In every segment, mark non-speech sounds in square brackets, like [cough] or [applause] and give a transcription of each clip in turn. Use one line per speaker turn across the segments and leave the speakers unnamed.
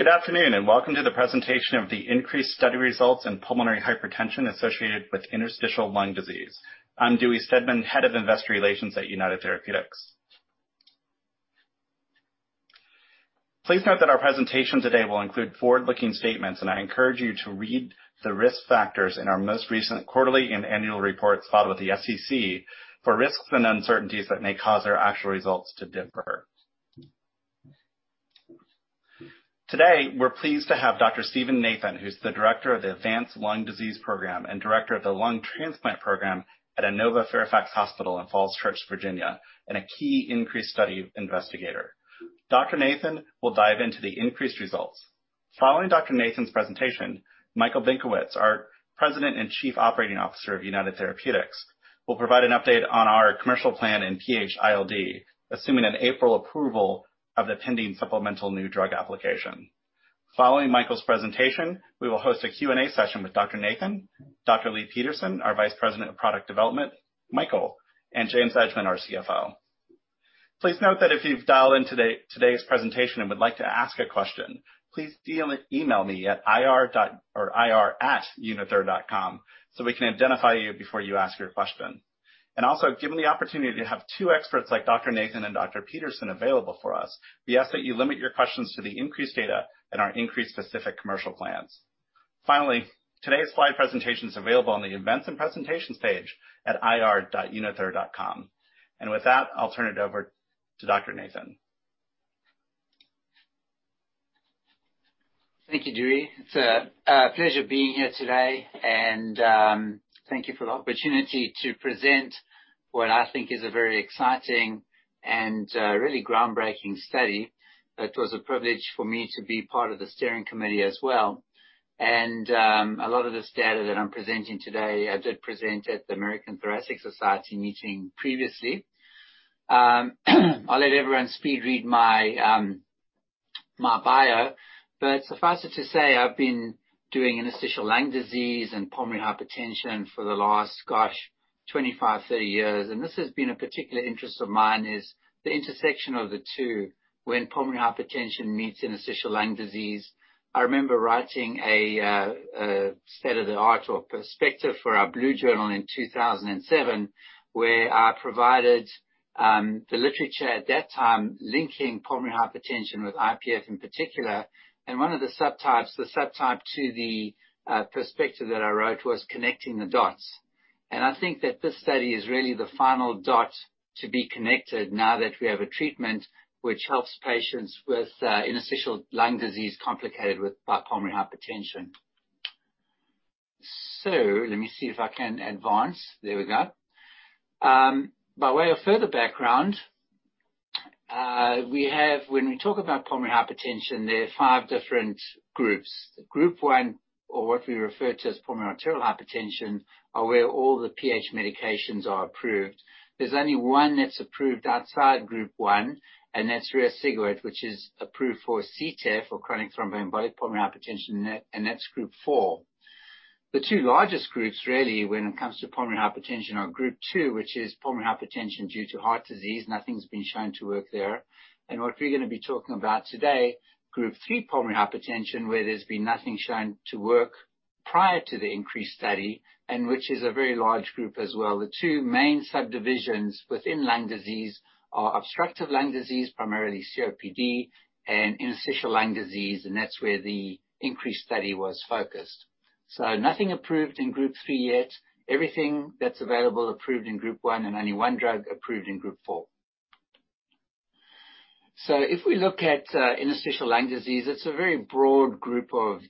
Good afternoon and Welcome to the presentation of the INCREASE Study Results in Pulmonary Hypertension Associated with Interstitial Lung Disease. I'm Dewey Steadman, Head of Investor Relations at United Therapeutics. Please note that our presentation today will include forward-looking statements, and I encourage you to read the risk factors in our most recent quarterly and annual reports filed with the SEC for risks and uncertainties that may cause our actual results to differ. Today, we're pleased to have Dr. Steven Nathan, who's the Director of the Advanced Lung Disease Program and Director of the Lung Transplant Program at Inova Fairfax Hospital in Falls Church, Virginia, and a key INCREASE study investigator. Dr. Nathan will dive into the INCREASE results. Following Dr. Nathan's presentation, Michael Benkowitz, our President and Chief Operating Officer of United Therapeutics, will provide an update on our commercial plan in PH-ILD, assuming an April approval of the pending supplemental new drug application. Following Michael's presentation, we will host a Q&A session with Dr. Nathan, Dr. Leigh Peterson, our Vice President, Product Development, Michael, and James Edgemond, our CFO. Please note that if you've dialed in today's presentation and would like to ask a question, please email me at ir@unither.com so we can identify you before you ask your question. Given the opportunity to have two experts like Dr. Nathan and Dr. Peterson available for us, we ask that you limit your questions to the INCREASE data and our INCREASE specific commercial plans. Today's slide presentation is available on the Events and Presentations page at ir.unither.com. With that, I'll turn it over to Dr. Nathan.
Thank you, Dewey. It's a pleasure being here today, thank you for the opportunity to present what I think is a very exciting and really groundbreaking study. It was a privilege for me to be part of the steering committee as well. A lot of this data that I'm presenting today, I did present at the American Thoracic Society meeting previously. I'll let everyone speed-read my bio, suffice it to say, I've been doing interstitial lung disease and pulmonary hypertension for the last 25, 30 years. This has been a particular interest of mine is the intersection of the two when pulmonary hypertension meets interstitial lung disease. I remember writing a state-of-the-art or perspective for our Blue Journal in 2007, where I provided the literature at that time linking pulmonary hypertension with IPF in particular. One of the subtypes, the subtype to the perspective that I wrote, was connecting the dots. I think that this study is really the final dot to be connected now that we have a treatment which helps patients with interstitial lung disease complicated with pulmonary hypertension. Let me see if I can advance. There we go. By way of further background, when we talk about pulmonary hypertension, there are five different groups. Group 1 or what we refer to as Pulmonary Arterial Hypertension are where all the PH medications are approved. There's only one that's approved outside Group 1, and that's riociguat, which is approved for CTEPH or chronic thromboembolic pulmonary hypertension, and that's Group 4. The two largest groups really when it comes to Pulmonary Hypertension are Group 2, which is Pulmonary Hypertension due to heart disease. Nothing's been shown to work there. What we're going to be talking about today, Group 3 Pulmonary Hypertension, where there's been nothing shown to work prior to the INCREASE study and which is a very large group as well. The two main subdivisions within lung disease are obstructive lung disease, primarily COPD, and interstitial lung disease, and that's where the INCREASE study was focused. Nothing approved in Group 3 yet. Everything that's available approved in Group I, and only one drug approved in Group 4. If we look at interstitial lung disease, it's a very broad group of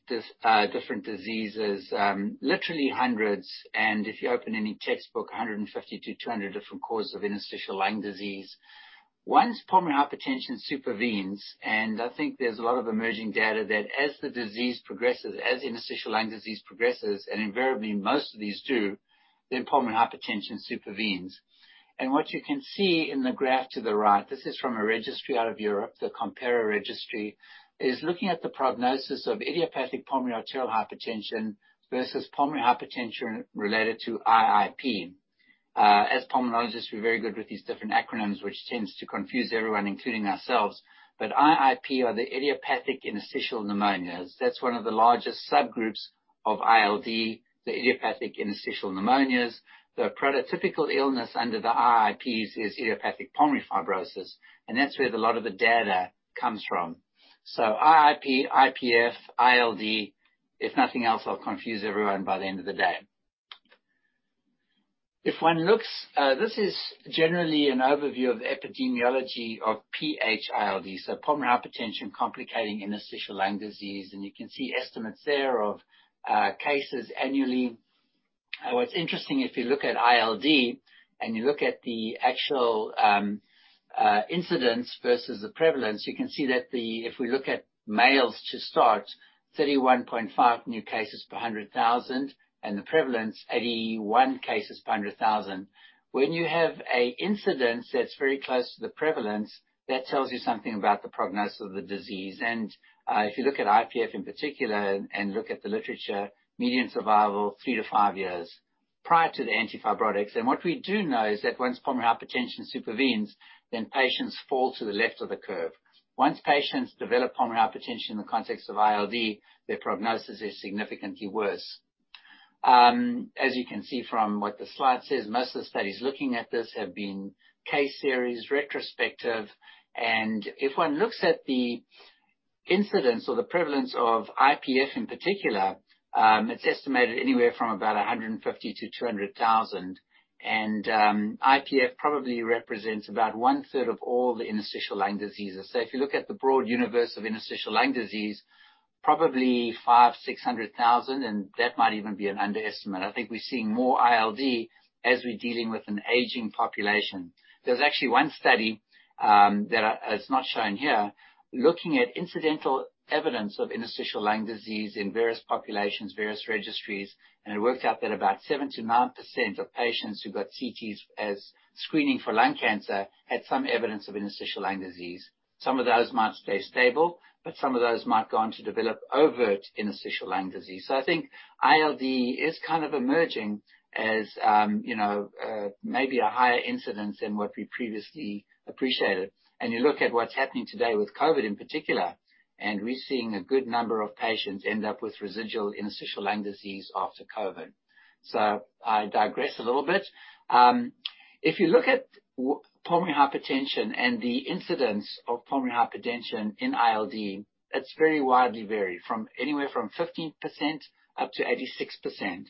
different diseases, literally hundreds. If you open any textbook, 150-200 different causes of interstitial lung disease. Once pulmonary hypertension supervenes. I think there's a lot of emerging data that as the disease progresses, as interstitial lung disease progresses, invariably most of these do, then pulmonary hypertension supervenes. What you can see in the graph to the right, this is from a registry out of Europe, the COMPERA registry, is looking at the prognosis of idiopathic pulmonary arterial hypertension versus pulmonary hypertension related to IIP. As pulmonologists, we're very good with these different acronyms, which tends to confuse everyone, including ourselves. IIP are the Idiopathic Interstitial Pneumonias. That's one of the largest subgroups of ILD, the Idiopathic Interstitial Pneumonias. The prototypical illness under the IIPs is idiopathic pulmonary fibrosis, and that's where a lot of the data comes from. IIP, IPF, ILD, if nothing else, I'll confuse everyone by the end of the day. This is generally an overview of epidemiology of PH-ILD, so pulmonary hypertension complicating interstitial lung disease, and you can see estimates there of cases annually. What's interesting, if you look at ILD and you look at the actual incidence versus the prevalence, you can see that if we look at males to start, 31.5 new cases per 100,000, and the prevalence, 81 cases per 100,000. When you have an incidence that's very close to the prevalence, that tells you something about the prognosis of the disease. If you look at IPF in particular and look at the literature, median survival, three-five years prior to the antifibrotics. What we do know is that once pulmonary hypertension supervenes, then patients fall to the left of the curve. Once patients develop pulmonary hypertension in the context of ILD, their prognosis is significantly worse. If one looks at the incidence or the prevalence of IPF in particular, it is estimated anywhere from about 150 to 200,000, and IPF probably represents about one-third of all the interstitial lung diseases. If you look at the broad universe of interstitial lung disease, probably 500,000, 600,000, and that might even be an underestimate. I think we are seeing more ILD as we are dealing with an aging population. There is actually one study that is not shown here, looking at incidental evidence of interstitial lung disease in various populations, various registries, and it worked out that about 79% of patients who got CTs as screening for lung cancer had some evidence of interstitial lung disease. Some of those might stay stable, but some of those might go on to develop overt interstitial lung disease. I think ILD is kind of emerging as maybe a higher incidence than what we previously appreciated. You look at what's happening today with COVID, in particular, and we're seeing a good number of patients end up with residual interstitial lung disease after COVID. I digress a little bit. If you look at pulmonary hypertension and the incidence of pulmonary hypertension in ILD, it's very widely varied, from anywhere from 15% up to 86%.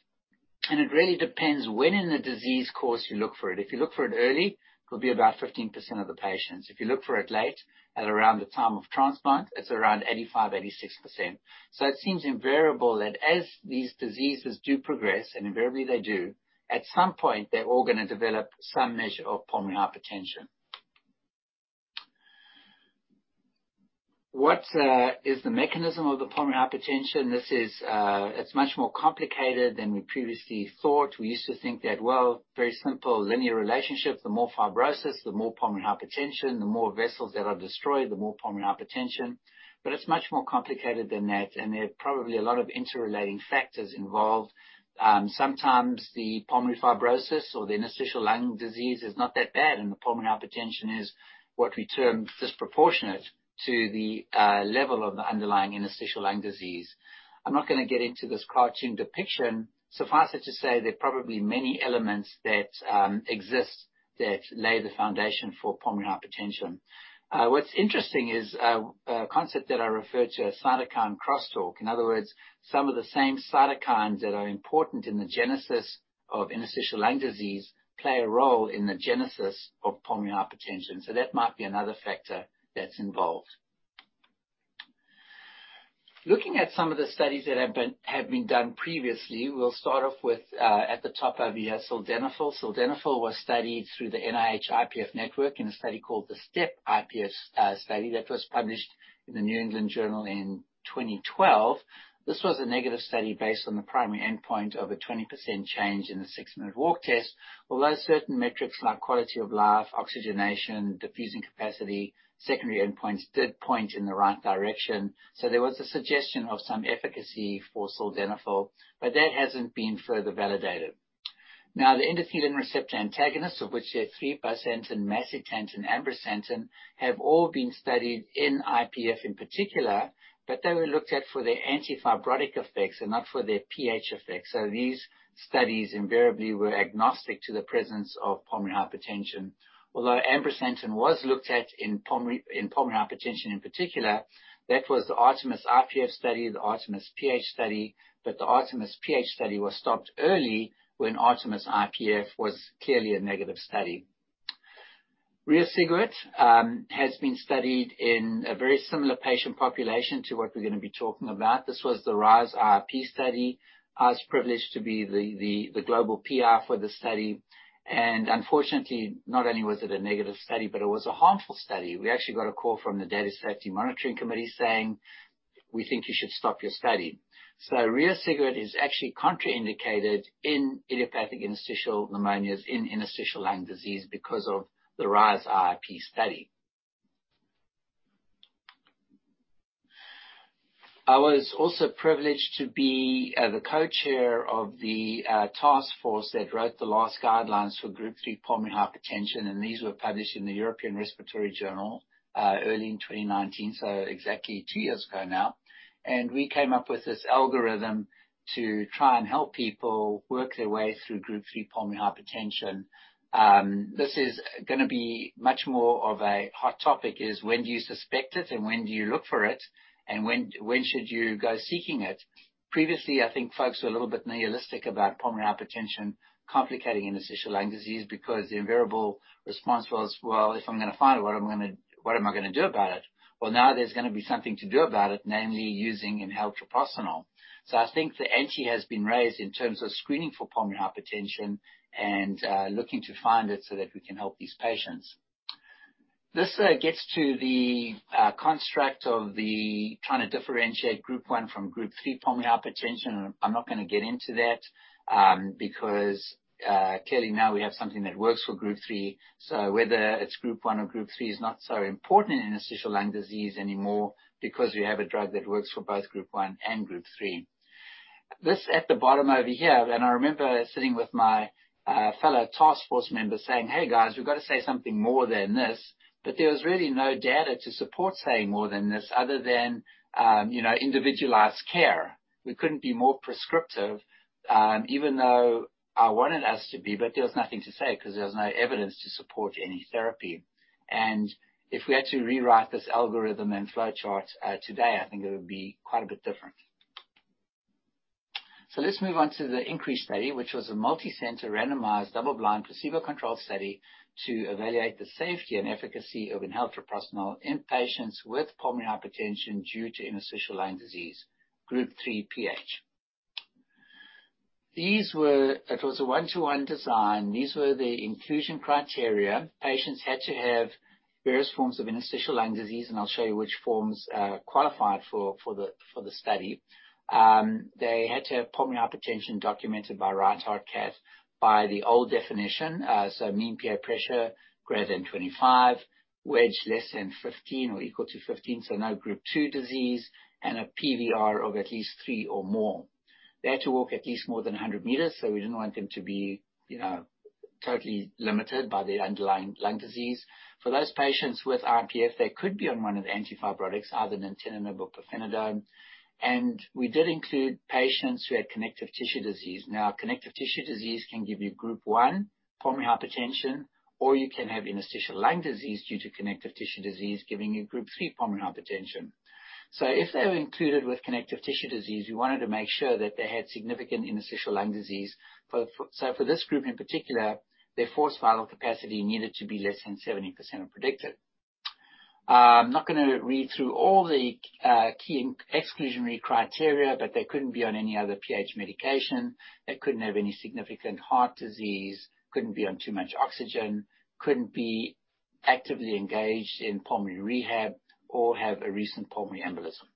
It really depends when in the disease course you look for it. If you look for it early, it'll be about 15% of the patients. If you look for it late, at around the time of transplant, it's around 85%, 86%. It seems invariable that as these diseases do progress, and invariably they do, at some point, they're all going to develop some measure of pulmonary hypertension. What is the mechanism of the pulmonary hypertension? It's much more complicated than we previously thought. We used to think that, well, very simple linear relationship. The more fibrosis, the more pulmonary hypertension. The more vessels that are destroyed, the more pulmonary hypertension. It's much more complicated than that, and there are probably a lot of interrelating factors involved. Sometimes the pulmonary fibrosis or the interstitial lung disease is not that bad, and the pulmonary hypertension is what we term disproportionate to the level of the underlying interstitial lung disease. I'm not going to get into this cartoon depiction. Suffice it to say, there are probably many elements that exist that lay the foundation for pulmonary hypertension. What's interesting is a concept that I refer to as cytokine crosstalk. In other words, some of the same cytokines that are important in the genesis of interstitial lung disease play a role in the genesis of pulmonary hypertension. That might be another factor that's involved. Looking at some of the studies that have been done previously, we'll start off with, at the top over here, sildenafil. Sildenafil was studied through the NIH IPF Network in a study called the STEP-IPF study that was published in the New England Journal in 2012. This was a negative study based on the primary endpoint of a 20% change in the six-minute walk test. Although certain metrics like quality of life, oxygenation, diffusing capacity, secondary endpoints did point in the right direction. There was a suggestion of some efficacy for sildenafil, but that hasn't been further validated. The endothelin receptor antagonists, of which there are three, bosentan, macitentan, ambrisentan, have all been studied in IPF in particular, but they were looked at for their antifibrotic effects and not for their PH effects. These studies invariably were agnostic to the presence of pulmonary hypertension. Although ambrisentan was looked at in pulmonary hypertension in particular, that was the ARTEMIS-IPF study, the ARTEMIS-PH study, but the ARTEMIS-PH study was stopped early when ARTEMIS-IPF was clearly a negative study. Riociguat has been studied in a very similar patient population to what we're going to be talking about. This was the RISE-IIP study. I was privileged to be the global PI for the study, and unfortunately, not only was it a negative study, but it was a harmful study. We actually got a call from the Data Safety Monitoring Committee saying, "We think you should stop your study." riociguat is actually contraindicated in idiopathic interstitial pneumonias, in interstitial lung disease because of the RISE-IIP study. I was also privileged to be the co-chair of the task force that wrote the last guidelines for Group III Pulmonary Hypertension, and these were published in the European Respiratory Journal early in 2019, so exactly two years ago now. We came up with this algorithm to try and help people work their way through Group III Pulmonary Hypertension. This is going to be much more of a hot topic, is when do you suspect it and when do you look for it, and when should you go seeking it? Previously, I think folks were a little bit nihilistic about pulmonary hypertension complicating interstitial lung disease, because the invariable response was, "Well, if I'm going to find it, what am I going to do about it?" Well, now there's going to be something to do about it, namely using inhaled treprostinil. I think the ante has been raised in terms of screening for pulmonary hypertension and looking to find it so that we can help these patients. This gets to the construct of the trying to differentiate Group 1 from Group 3 Pulmonary Hypertension. I'm not going to get into that because clearly now we have something that works for Group 3, whether it's Group 1 or Group 3 is not so important in interstitial lung disease anymore because we have a drug that works for both Group 1 and Group 3. This at the bottom over here, I remember sitting with my fellow task force members saying, "Hey, guys, we've got to say something more than this." There was really no data to support saying more than this other than individualized care. We couldn't be more prescriptive, even though I wanted us to be. There was nothing to say because there was no evidence to support any therapy. If we had to rewrite this algorithm and flowchart today, I think it would be quite a bit different. Let's move on to the INCREASE study, which was a multicenter, randomized, double-blind, placebo-controlled study to evaluate the safety and efficacy of inhaled treprostinil in patients with pulmonary hypertension due to interstitial lung disease, Group 3 PH. It was a one-to-one design. These were the inclusion criteria. Patients had to have various forms of interstitial lung disease, and I'll show you which forms qualified for the study. They had to have pulmonary hypertension documented by Right Heart Cath by the old definition. Mean PA pressure greater than 25, wedge less than 15 or equal to 15, so no Group 2 disease, and a PVR of at least three or more. They had to walk at least more than 100 meters, we didn't want them to be totally limited by their underlying lung disease. For those patients with IPF, they could be on one of the anti-fibrotics other than nintedanib or pirfenidone. We did include patients who had connective tissue disease. Now, connective tissue disease can give you Group 1 Pulmonary Hypertension, or you can have interstitial lung disease due to connective tissue disease, giving you Group 3 Pulmonary Hypertension. If they were included with connective tissue disease, we wanted to make sure that they had significant interstitial lung disease. For this group, in particular, their forced vital capacity needed to be less than 70% of predicted. I'm not going to read through all the key exclusionary criteria, they couldn't be on any other PH medication. They couldn't have any significant heart disease, couldn't be on too much oxygen, couldn't be actively engaged in pulmonary rehab or have a recent pulmonary embolism.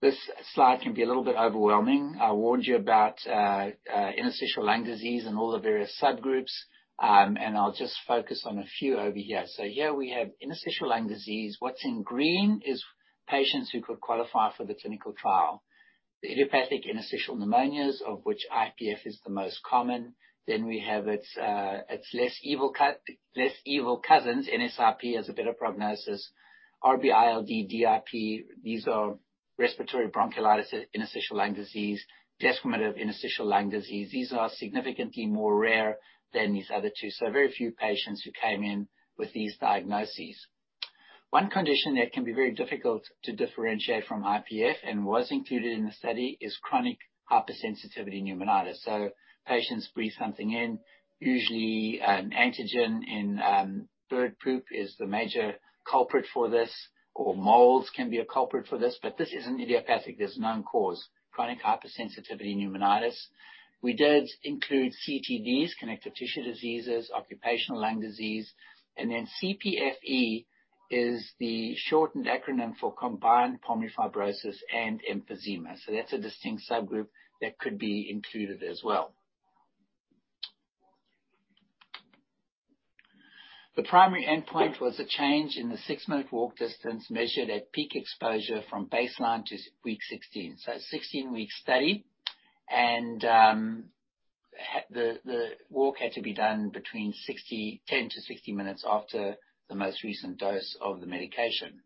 This slide can be a little bit overwhelming. I warned you about interstitial lung disease and all the various subgroups. I'll just focus on a few over here. Here we have interstitial lung disease. What's in green is patients who could qualify for the clinical trial. The Idiopathic interstitial pneumonias, of which IPF is the most common. We have its less evil cousins, NSIP has a better prognosis. RB-ILD, DIP, these are respiratory bronchiolitis, interstitial lung disease, desquamative interstitial lung disease. These are significantly more rare than these other two. Very few patients who came in with these diagnoses. One condition that can be very difficult to differentiate from IPF and was included in the study is chronic hypersensitivity pneumonitis. Patients breathe something in, usually an antigen in bird poop is the major culprit for this, or molds can be a culprit for this, but this isn't idiopathic. There's no known cause. Chronic hypersensitivity pneumonitis. We did include CTDs, Connective Tissue Diseases, occupational lung disease, and then CPFE is the shortened acronym for combined pulmonary fibrosis and emphysema. That's a distinct subgroup that could be included as well. The primary endpoint was a change in the six-minute walk distance measured at peak exposure from baseline to week 16. 16-week study, and the walk had to be done between 10 to 60 minutes after the most recent dose of the medication.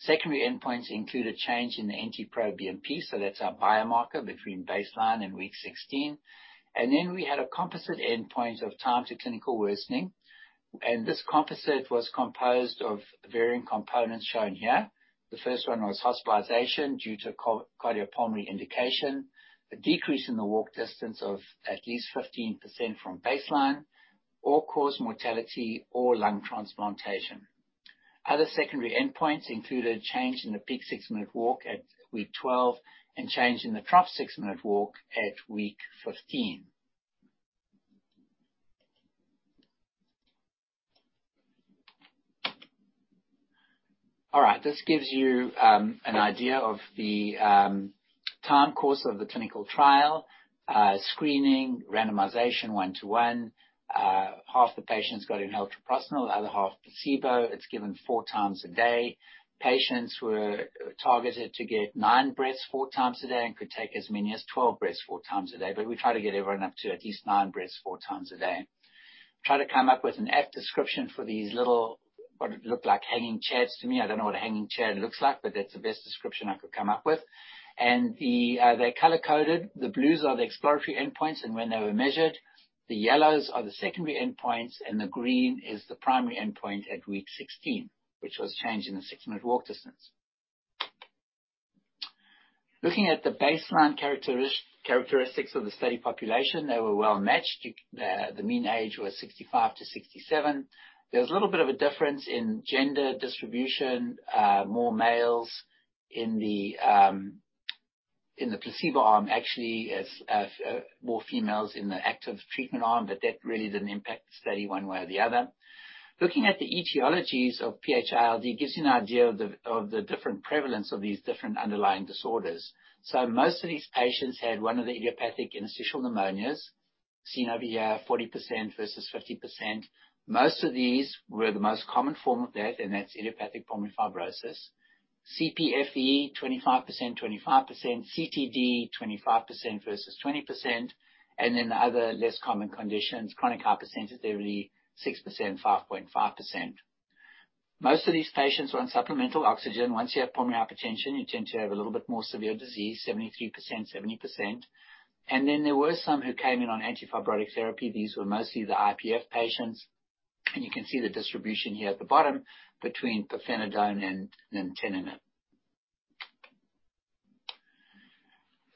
Secondary endpoints include a change in the NT-proBNP, so that's our biomarker between baseline and week 16. We had a composite endpoint of time to clinical worsening, and this composite was composed of varying components shown here. The first one was hospitalization due to cardiopulmonary indication, a decrease in the walk distance of at least 15% from baseline, all-cause mortality or lung transplantation. Other secondary endpoints included change in the peak six-minute walk at week 12 and change in the trough six-minute walk at week 15. All right. This gives you an idea of the time course of the clinical trial, screening, randomization, one to one. Half the patients got inhaled treprostinil, the other half, placebo. It's given four times a day. Patients were targeted to get nine breaths four times a day and could take as many as 12 breaths 4x a day. We try to get everyone up to at least nine breaths 4x a day. Try to come up with an apt description for these little, what looked like hanging chairs to me. I don't know what a hanging chair looks like, but that's the best description I could come up with. They're color-coded. The blues are the exploratory endpoints and when they were measured. The yellows are the secondary endpoints. The green is the primary endpoint at week 16, which was change in the six-minute walk distance. Looking at the baseline characteristics of the study population, they were well-matched. The mean age was 65 to 67. There was a little bit of a difference in gender distribution. More males in the placebo arm, actually, more females in the active treatment arm. That really didn't impact the study one way or the other. Looking at the etiologies of PH-ILD gives you an idea of the different prevalence of these different underlying disorders. Most of these patients had one of the idiopathic interstitial pneumonias. Seen over here, 40% versus 50%. Most of these were the most common form of that. That's idiopathic pulmonary fibrosis. CPFE 25%, 25%. CTD, 25% versus 20%. Other less common conditions, chronic hypersensitivity, there will be 6%, 5.5%. Most of these patients were on supplemental oxygen. Once you have pulmonary hypertension, you tend to have a little bit more severe disease, 73%, 70%. There were some who came in on anti-fibrotic therapy. These were mostly the IPF patients, and you can see the distribution here at the bottom between pirfenidone and nintedanib.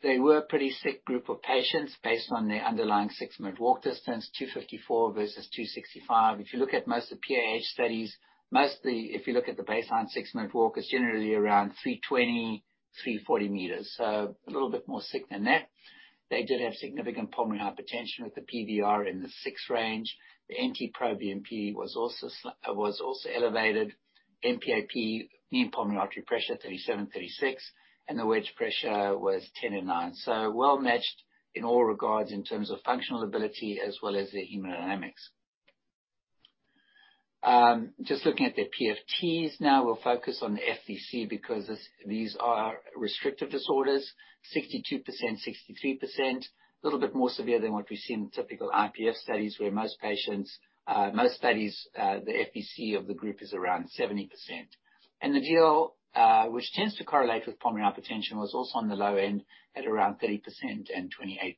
They were a pretty sick group of patients based on their underlying six-minute walk distance, 254 versus 265. If you look at most of the PAH studies, mostly if you look at the baseline six-minute walk, it's generally around 320, 340 meters. A little bit more sick than that. They did have significant pulmonary hypertension with the PVR in the six range. The NT-proBNP was also elevated, mPAP, mean pulmonary artery pressure, 37, 36, and the wedge pressure was 10 and nine. Well-matched in all regards in terms of functional ability as well as their hemodynamics. Just looking at their PFTs now, we'll focus on the FVC because these are restrictive disorders, 62%, 63%. Little bit more severe than what we see in typical IPF studies, where most studies, the FVC of the group is around 70%. The DLCO, which tends to correlate with pulmonary hypertension, was also on the low end at around 30% and 28%.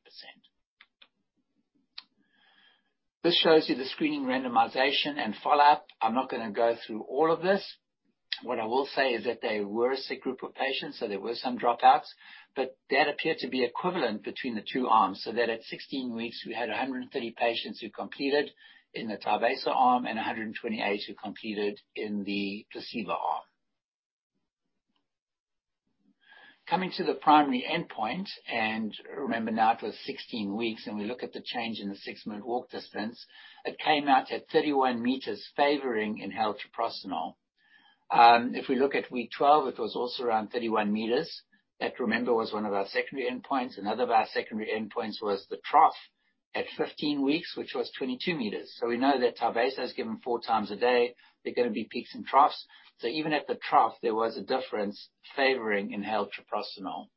This shows you the screening randomization and follow-up. I'm not going to go through all of this. What I will say is that they were a sick group of patients, so there were some dropouts, but that appeared to be equivalent between the two arms, so that at 16 weeks we had 130 patients who completed in the TYVASO arm and 128 who completed in the placebo arm. Coming to the primary endpoint, remember now it was 16 weeks, we look at the change in the six-minute walk distance. It came out at 31 meters, favoring inhaled treprostinil. If we look at week 12, it was also around 31 meters. That, remember, was one of our secondary endpoints. Another of our secondary endpoints was the trough at 15 weeks, which was 22 meters. We know that TYVASO is given four times a day. There are going to be peaks and troughs. Even at the trough, there was a difference favoring inhaled treprostinil.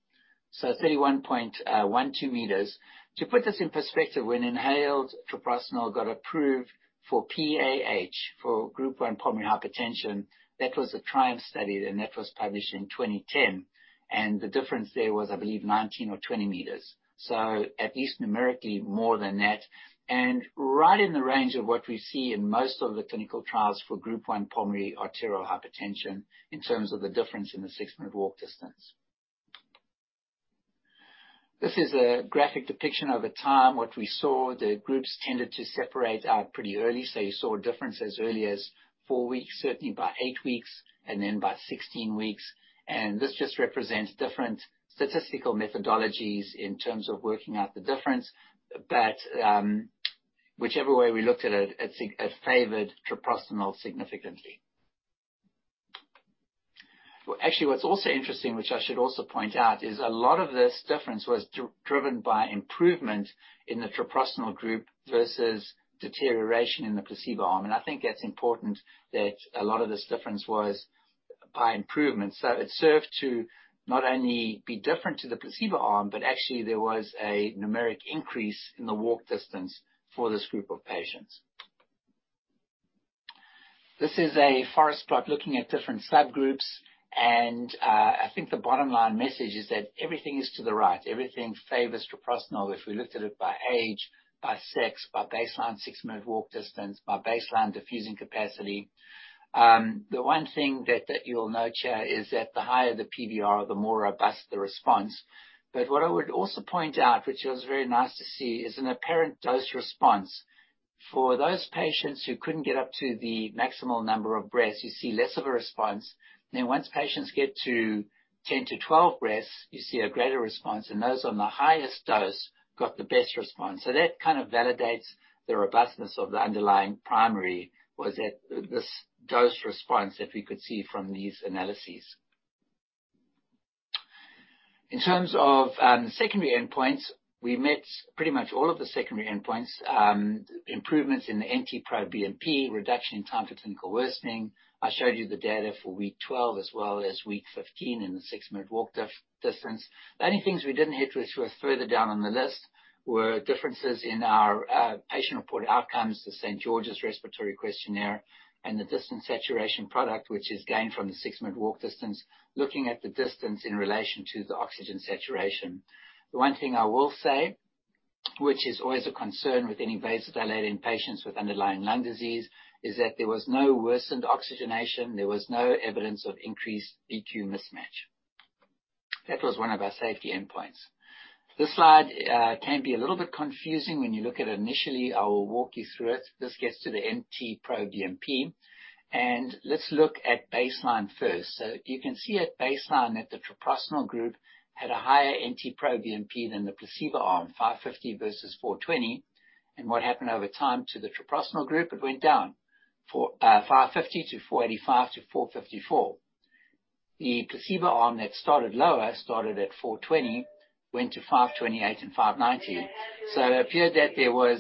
31.12 meters. To put this in perspective, when inhaled treprostinil got approved for PAH, for Group 1 Pulmonary Hypertension, that was a TRIUMPH study, and that was published in 2010, and the difference there was, I believe, 19 or 20 meters. At least numerically more than that, and right in the range of what we see in most of the clinical trials for Group 1 Pulmonary Arterial Hypertension in terms of the difference in the six-minute walk distance. This is a graphic depiction over time what we saw. The groups tended to separate out pretty early. You saw a difference as early as four weeks, certainly by eight weeks and then by 16 weeks. This just represents different statistical methodologies in terms of working out the difference. Whichever way we looked at it favored treprostinil significantly. Actually, what's also interesting, which I should also point out, is a lot of this difference was driven by improvement in the treprostinil group versus deterioration in the placebo arm. I think that's important that a lot of this difference was by improvement. It served to not only be different to the placebo arm, but actually there was a numeric increase in the walk distance for this group of patients. This is a forest plot looking at different subgroups. I think the bottom line message is that everything is to the right. Everything favors treprostinil. If we looked at it by age, by sex, by baseline six-minute walk distance, by baseline diffusing capacity. The one thing that you'll note here is that the higher the PVR, the more robust the response. What I would also point out, which was very nice to see, is an apparent dose response. For those patients who couldn't get up to the maximal number of breaths, you see less of a response. Once patients get to 10 to 12 breaths, you see a greater response, and those on the highest dose got the best response. That kind of validates the robustness of the underlying primary was at this dose response that we could see from these analyses. In terms of secondary endpoints, we met pretty much all of the secondary endpoints. Improvements in the NT-proBNP, reduction in time for clinical worsening. I showed you the data for week 12 as well as week 15 in the six-minute walk distance. The only things we didn't hit, which were further down on the list, were differences in our patient-reported outcomes, the St. George's Respiratory Questionnaire and the distance saturation product, which is gained from the six-minute walk distance, looking at the distance in relation to the oxygen saturation. The one thing I will say, which is always a concern with any vasodilating patients with underlying lung disease, is that there was no worsened oxygenation. There was no evidence of increased V/Q mismatch. That was one of our safety endpoints. This slide can be a little bit confusing when you look at it initially. I will walk you through it. This gets to the NT-proBNP. Let's look at baseline first. You can see at baseline that the treprostinil group had a higher NT-proBNP than the placebo arm, 550 versus 420. What happened over time to the treprostinil group? It went down 550 to 485 to 454. The placebo arm that started lower, started at 420, went to 528 and 590. It appeared that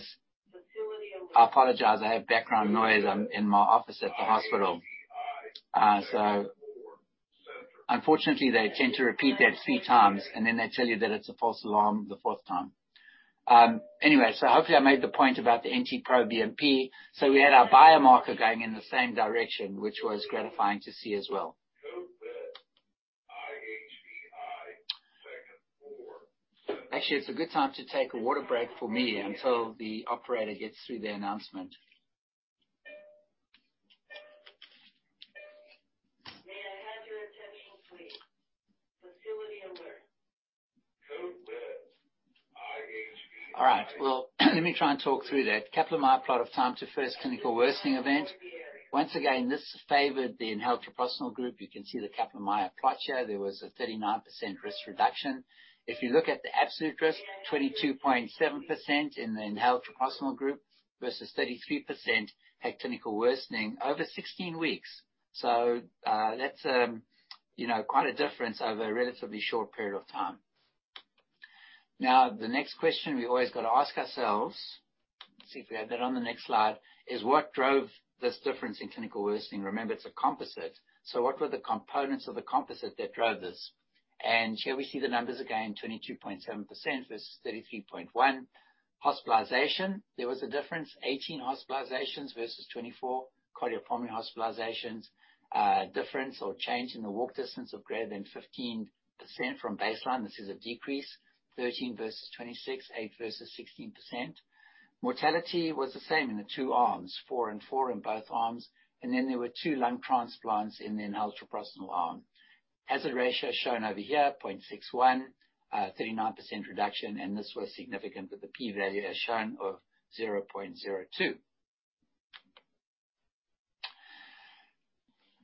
I apologize, I have background noise. I'm in my office at the hospital. Unfortunately, they tend to repeat that three times, and then they tell you that it's a false alarm the fourth time. Anyway, hopefully I made the point about the NT-proBNP. We had our biomarker going in the same direction, which was gratifying to see as well. Actually, it's a good time to take a water break for me until the operator gets through the announcement. All right. Well, let me try and talk through that. Kaplan-Meier plot of time to first clinical worsening event. Once again, this favored the inhaled treprostinil group. You can see the Kaplan-Meier plot here. There was a 39% risk reduction. If you look at the absolute risk, 22.7% in the inhaled treprostinil group versus 33% had clinical worsening over 16 weeks. That's quite a difference over a relatively short period of time. The next question we've always got to ask ourselves, see if we have that on the next slide, is what drove this difference in clinical worsening? Remember, it's a composite. What were the components of the composite that drove this? Here we see the numbers again, 22.7% versus 33.1. Hospitalization, there was a difference. 18 hospitalizations versus 24 cardiopulmonary hospitalizations. Difference or change in the walk distance of greater than 15% from baseline. This is a decrease, 13 versus 26, 8% versus 16%. Mortality was the same in the two arms, four and four in both arms. There were two lung transplants in the inhaled treprostinil arm. Hazard ratio shown over here, 0.61, 39% reduction. This was significant with the P value as shown of 0.02.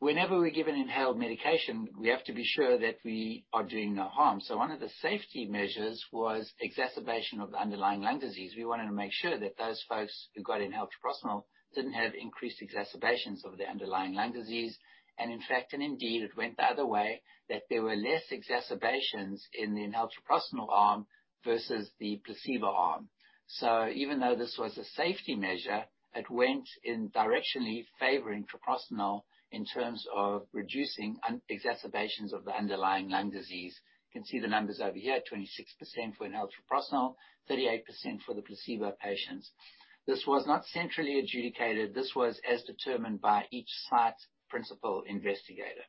Whenever we give an inhaled medication, we have to be sure that we are doing no harm. One of the safety measures was exacerbation of underlying lung disease. We wanted to make sure that those folks who got inhaled treprostinil didn't have increased exacerbations of their underlying lung disease. In fact, and indeed, it went the other way, that there were less exacerbations in the inhaled treprostinil arm versus the placebo arm. Even though this was a safety measure, it went in directionally favoring treprostinil in terms of reducing exacerbations of the underlying lung disease. You can see the numbers over here, 26% for inhaled treprostinil, 38% for the placebo patients. This was not centrally adjudicated. This was as determined by each site's principal investigator.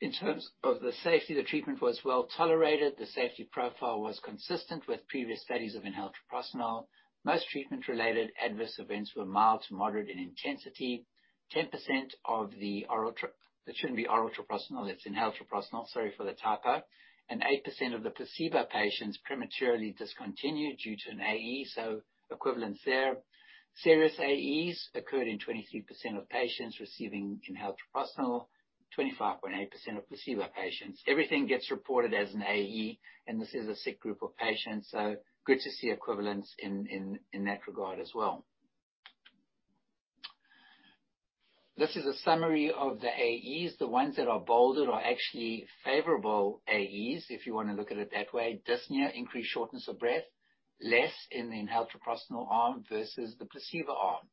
In terms of the safety, the treatment was well-tolerated. The safety profile was consistent with previous studies of inhaled treprostinil. Most treatment-related adverse events were mild to moderate in intensity. 10% of the It shouldn't be oral treprostinil, it's inhaled treprostinil, sorry for the typo. 8% of the placebo patients prematurely discontinued due to an AE, so equivalence there. Serious AEs occurred in 23% of patients receiving inhaled treprostinil, 25.8% of placebo patients. Everything gets reported as an AE, and this is a sick group of patients, so good to see equivalence in that regard as well. This is a summary of the AEs. The ones that are bolded are actually favorable AEs, if you want to look at it that way. Dyspnea, increased shortness of breath, less in the inhaled treprostinil arm versus the placebo arm.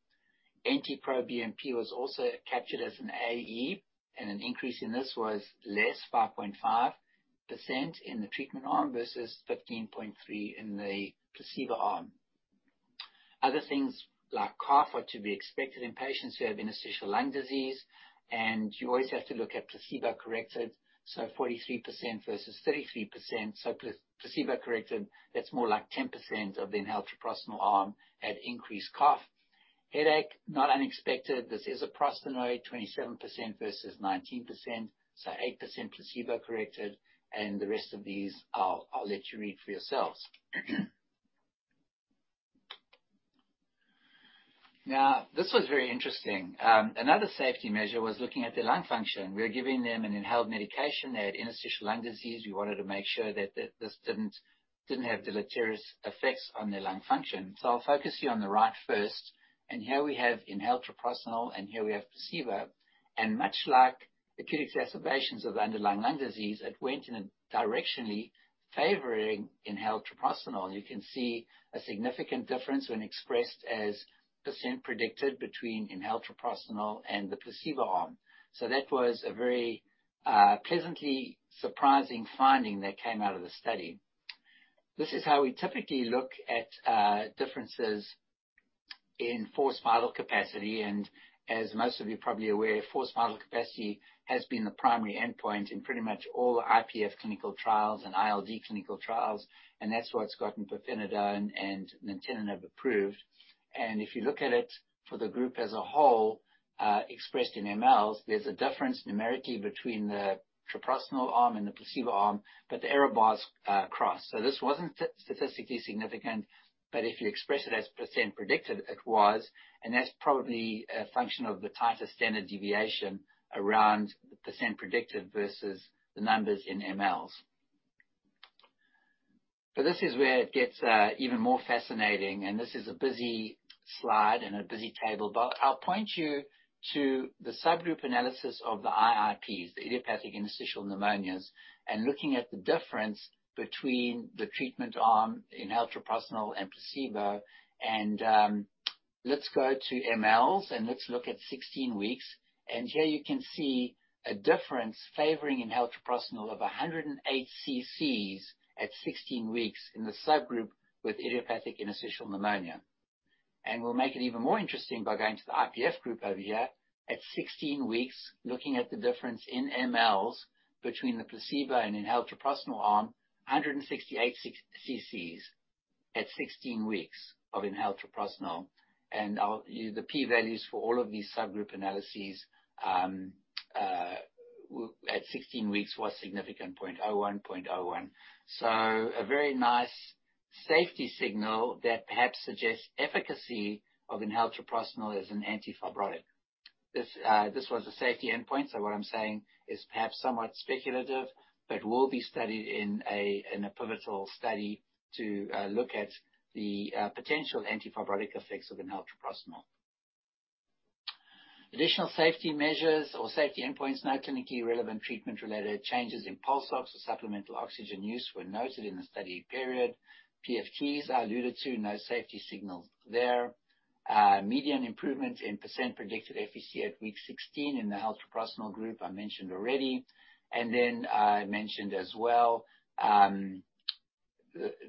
NT-proBNP was also captured as an AE, and an increase in this was less 5.5% in the treatment arm versus 15.3% in the placebo arm. Other things like cough are to be expected in patients who have interstitial lung disease, and you always have to look at placebo-corrected, so 43% versus 33%, so placebo-corrected, that's more like 10% of the inhaled treprostinil arm had increased cough. Headache, not unexpected. This is a prostanoid, 27% versus 19%, so 8% placebo-corrected. The rest of these I'll let you read for yourselves. This was very interesting. Another safety measure was looking at the lung function. We were giving them an inhaled medication. They had interstitial lung disease. We wanted to make sure that this didn't have deleterious effects on their lung function. I'll focus you on the right first. Here we have inhaled treprostinil, and here we have placebo. Much like acute exacerbations of underlying lung disease, it went in a directionally favoring inhaled treprostinil. You can see a significant difference when expressed as % predicted between inhaled treprostinil and the placebo arm. That was a very pleasantly surprising finding that came out of the study. This is how we typically look at differences in forced vital capacity, and as most of you are probably aware, forced vital capacity has been the primary endpoint in pretty much all IPF clinical trials and ILD clinical trials, and that's what's gotten pirfenidone and nintedanib approved. If you look at it for the group as a whole, expressed in mLs, there's a difference numerically between the treprostinil arm and the placebo arm, but the error bars cross. This wasn't statistically significant. If you express it as percent predicted, it was, that's probably a function of the tighter standard deviation around the percent predicted versus the numbers in mLs. This is where it gets even more fascinating. This is a busy slide and a busy table. I'll point you to the subgroup analysis of the IIPs, the Idiopathic Interstitial Pneumonias, looking at the difference between the treatment arm in inhaled treprostinil and placebo. Let's go to mLs. Let's look at 16 weeks. Here you can see a difference favoring inhaled treprostinil of 108 ccs at 16 weeks in the subgroup with Idiopathic Interstitial Pneumonia. We'll make it even more interesting by going to the IPF group over here at 16 weeks, looking at the difference in mLs between the placebo and inhaled treprostinil arm, 168 ccs at 16 weeks of inhaled treprostinil. The p values for all of these subgroup analyses at 16 weeks was significant, 0.01. A very nice safety signal that perhaps suggests efficacy of inhaled treprostinil as an antifibrotic. This was a safety endpoint, so what I'm saying is perhaps somewhat speculative, but will be studied in a pivotal study to look at the potential antifibrotic effects of inhaled treprostinil. Additional safety measures or safety endpoints, no clinically relevant treatment-related changes in pulse ox or supplemental oxygen use were noted in the study period. PFTs, I alluded to, no safety signals there. Median improvement in percent predicted FVC at week 16 in the inhaled treprostinil group, I mentioned already. I mentioned as well,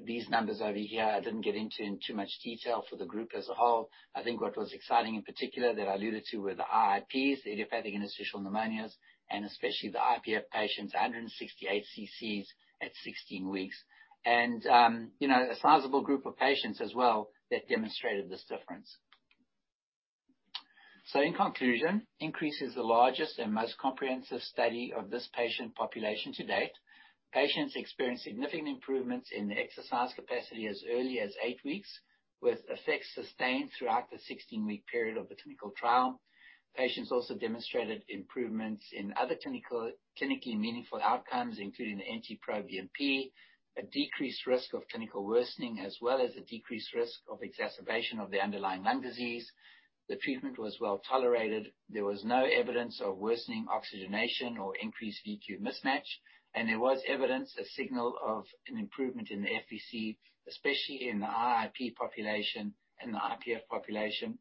these numbers over here, I didn't get into in too much detail for the group as a whole. I think what was exciting in particular that I alluded to were the IIPs, the idiopathic interstitial pneumonias, and especially the IPF patients, 168 cc at 16 weeks. A sizable group of patients as well that demonstrated this difference. In conclusion, INCREASE is the largest and most comprehensive study of this patient population to date. Patients experienced significant improvements in their exercise capacity as early as eight weeks, with effects sustained throughout the 16-week period of the clinical trial. Patients also demonstrated improvements in other clinically meaningful outcomes, including the NT-proBNP, a decreased risk of clinical worsening, as well as a decreased risk of exacerbation of the underlying lung disease. The treatment was well-tolerated. There was no evidence of worsening oxygenation or increased V/Q mismatch, and there was evidence, a signal of an improvement in the FVC, especially in the IIP population and the IPF population.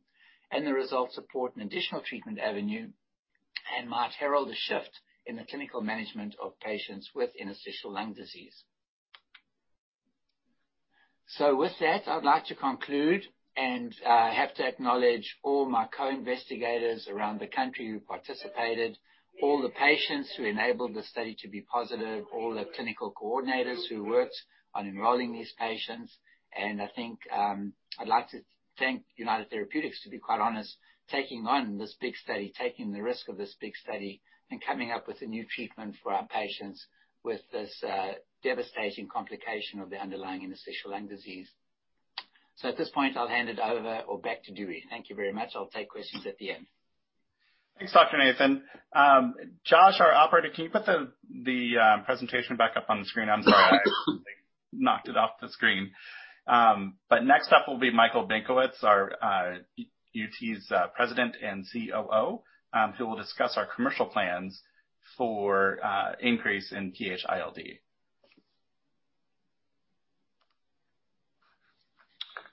The results support an additional treatment avenue and might herald a shift in the clinical management of patients with interstitial lung disease. With that, I'd like to conclude, and I have to acknowledge all my co-investigators around the country who participated, all the patients who enabled the study to be positive, all the clinical coordinators who worked on enrolling these patients. I think I'd like to thank United Therapeutics, to be quite honest, taking on this big study, taking the risk of this big study, and coming up with a new treatment for our patients with this devastating complication of the underlying interstitial lung disease. At this point, I'll hand it over or back to Dewey. Thank you very much. I'll take questions at the end.
Thanks, Dr. Nathan. Josh, our operator, can you put the presentation back up on the screen? I'm sorry. I knocked it off the screen. Next up will be Michael Benkowitz, UT's President and COO, who will discuss our commercial plans for INCREASE in PH-ILD.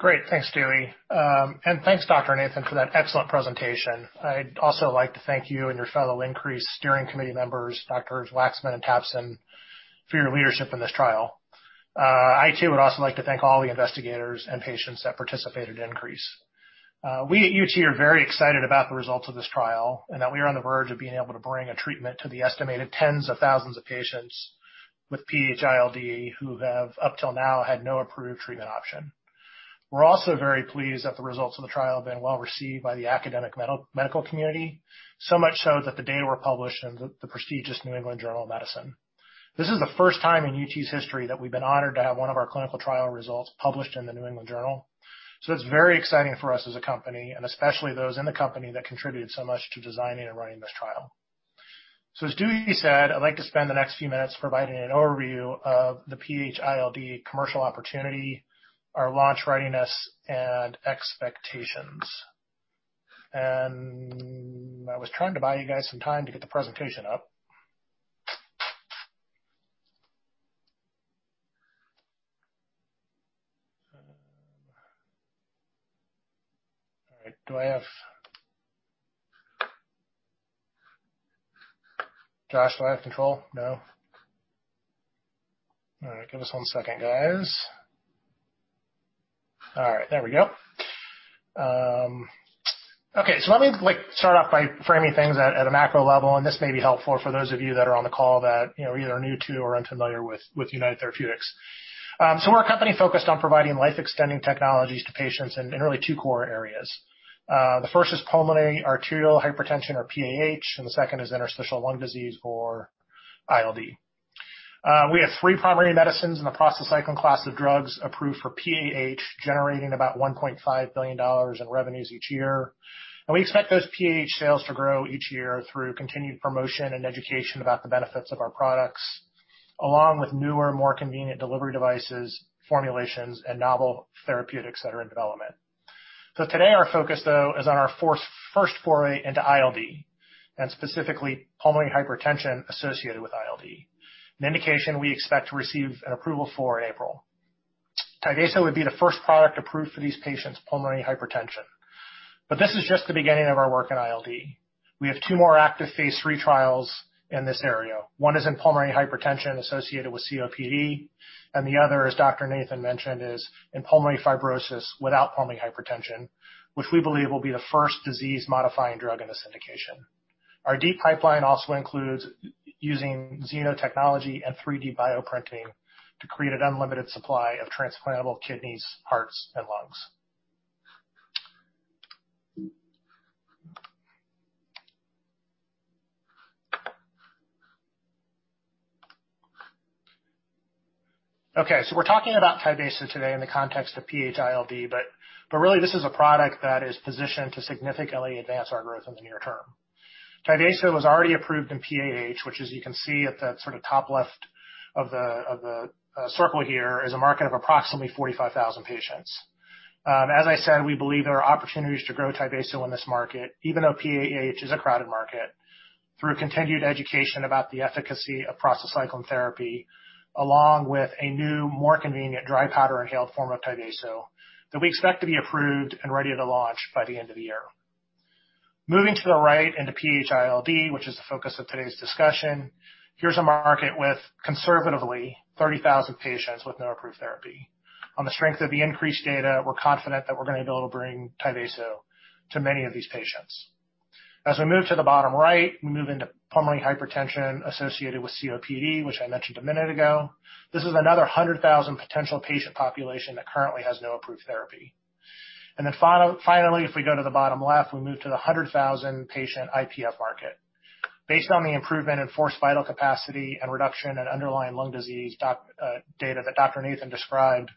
Great. Thanks, Dewey. Thanks, Dr. Nathan, for that excellent presentation. I'd also like to thank you and your fellow INCREASE Steering Committee members, Doctors Waxman and Tapson, for your leadership in this trial. I too would also like to thank all the investigators and patients that participated in INCREASE. We at UT are very excited about the results of this trial, and that we are on the verge of being able to bring a treatment to the estimated tens of thousands of patients with PH-ILD who have up till now had no approved treatment option. We're also very pleased that the results of the trial have been well received by the academic medical community. Much so that the data were published in the prestigious New England Journal of Medicine. This is the first time in UT's history that we've been honored to have one of our clinical trial results published in the New England Journal. It's very exciting for us as a company, and especially those in the company that contributed so much to designing and running this trial. As Dewey said, I'd like to spend the next few minutes providing an overview of the PH-ILD commercial opportunity, our launch readiness, and expectations. I was trying to buy you guys some time to get the presentation up. All right. Josh, do I have control? No. All right. Give us one second, guys. All right. There we go. Okay. Let me start off by framing things at a macro level, and this may be helpful for those of you that are on the call that are either new to or unfamiliar with United Therapeutics. We're a company focused on providing life-extending technologies to patients in really two core areas. The first is pulmonary arterial hypertension, or PAH, and the second is interstitial lung disease, or ILD. We have three primary medicines in the prostacyclin class of drugs approved for PAH, generating about $1.5 billion in revenues each year. We expect those PAH sales to grow each year through continued promotion and education about the benefits of our products, along with newer, more convenient delivery devices, formulations, and novel therapeutics that are in development. Today our focus though is on our first foray into ILD, and specifically pulmonary hypertension associated with ILD, an indication we expect to receive an approval for April. TYVASO would be the first product approved for these patients' pulmonary hypertension. This is just the beginning of our work in ILD. We have two more active phase III trials in this area. One is in pulmonary hypertension associated with COPD, and the other, as Dr. Nathan mentioned, is in pulmonary fibrosis without pulmonary hypertension, which we believe will be the first disease-modifying drug in this indication. Our deep pipeline also includes using xeno technology and 3D bioprinting to create an unlimited supply of transplantable kidneys, hearts, and lungs. Okay, we're talking about TYVASO today in the context of PH-ILD, but really this is a product that is positioned to significantly advance our growth in the near term. TYVASO was already approved in PAH, which as you can see at that sort of top left of the circle here, is a market of approximately 45,000 patients. As I said, we believe there are opportunities to grow TYVASO in this market, even though PAH is a crowded market, through continued education about the efficacy of prostacyclin therapy, along with a new, more convenient dry powder inhaled form of TYVASO that we expect to be approved and ready to launch by the end of the year. Moving to the right into PH-ILD, which is the focus of today's discussion, here's a market with conservatively 30,000 patients with no approved therapy. On the strength of the increased data, we're confident that we're going to be able to bring TYVASO to many of these patients. As we move to the bottom right, we move into pulmonary hypertension associated with COPD, which I mentioned a minute ago. This is another 100,000 potential patient population that currently has no approved therapy. Finally, if we go to the bottom left, we move to the 100,000-patient IPF market. Based on the improvement in forced vital capacity and reduction in underlying lung disease data that Dr. Nathan described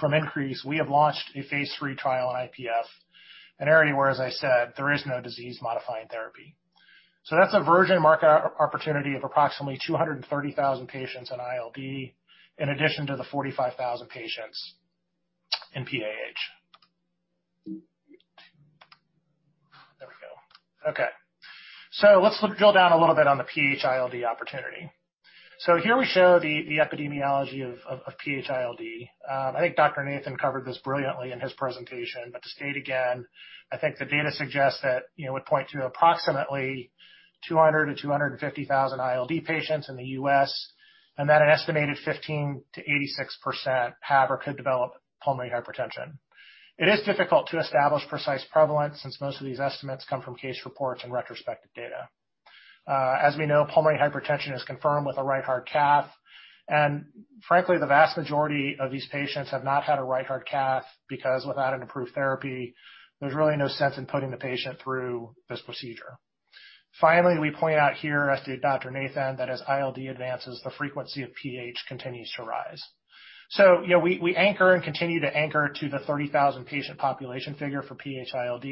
from INCREASE, we have launched a phase III trial on IPF, an area where, as I said, there is no disease-modifying therapy. That's a virgin market opportunity of approximately 230,000 patients in ILD, in addition to the 45,000 patients in PAH. There we go. Okay. Let's drill down a little bit on the PH-ILD opportunity. Here we show the epidemiology of PH-ILD. I think Dr. Nathan covered this brilliantly in his presentation, but to state again, I think the data suggests that it would point to approximately 200,000 to 250,000 ILD patients in the U.S., and that an estimated 15%-86% have or could develop pulmonary hypertension. It is difficult to establish precise prevalence, since most of these estimates come from case reports and retrospective data. As we know, pulmonary hypertension is confirmed with a right heart cath, and frankly, the vast majority of these patients have not had a right heart cath because without an approved therapy, there's really no sense in putting the patient through this procedure. We point out here, as did Dr. Nathan, that as ILD advances, the frequency of PH continues to rise. We anchor and continue to anchor to the 30,000 patient population figure for PH-ILD.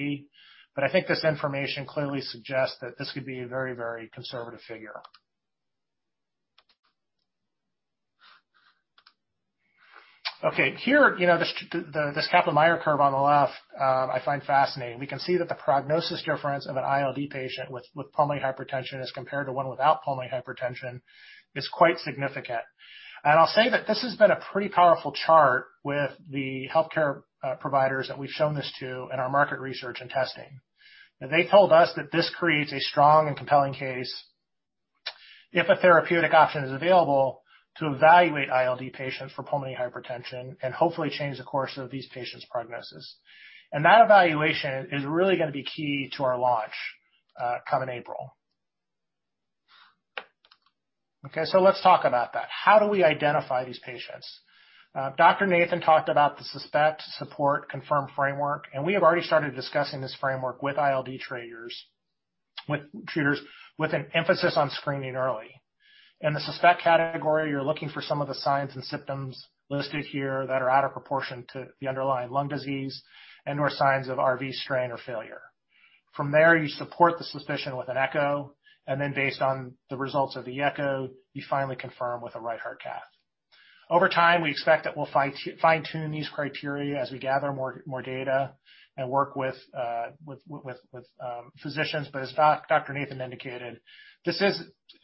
I think this information clearly suggests that this could be a very conservative figure. Okay, here, this Kaplan-Meier curve on the left I find fascinating. We can see that the prognosis difference of an ILD patient with pulmonary hypertension as compared to one without pulmonary hypertension is quite significant. I'll say that this has been a pretty powerful chart with the healthcare providers that we've shown this to in our market research and testing. They told us that this creates a strong and compelling case if a therapeutic option is available to evaluate ILD patients for pulmonary hypertension and hopefully change the course of these patients' progresses. That evaluation is really going to be key to our launch come in April. Okay, let's talk about that. How do we identify these patients? Dr. Nathan talked about the suspect, support, confirm framework, and we have already started discussing this framework with ILD treaters with an emphasis on screening early. In the suspect category, you're looking for some of the signs and symptoms listed here that are out of proportion to the underlying lung disease and/or signs of RV strain or failure. From there, you support the suspicion with an echo, and then based on the results of the echo, you finally confirm with a right heart cath. Over time, we expect that we'll fine-tune these criteria as we gather more data and work with physicians. As Dr. Nathan indicated,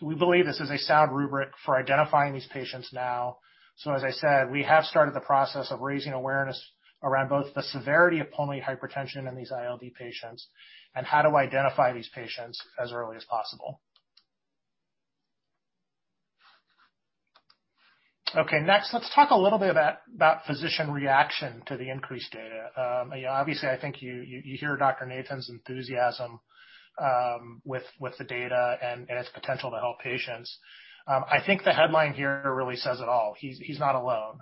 we believe this is a sound rubric for identifying these patients now. As I said, we have started the process of raising awareness around both the severity of pulmonary hypertension in these ILD patients and how to identify these patients as early as possible. Okay, next, let's talk a little bit about physician reaction to the INCREASE data. Obviously, I think you hear Dr. Nathan's enthusiasm with the data and its potential to help patients. I think the headline here really says it all. He's not alone.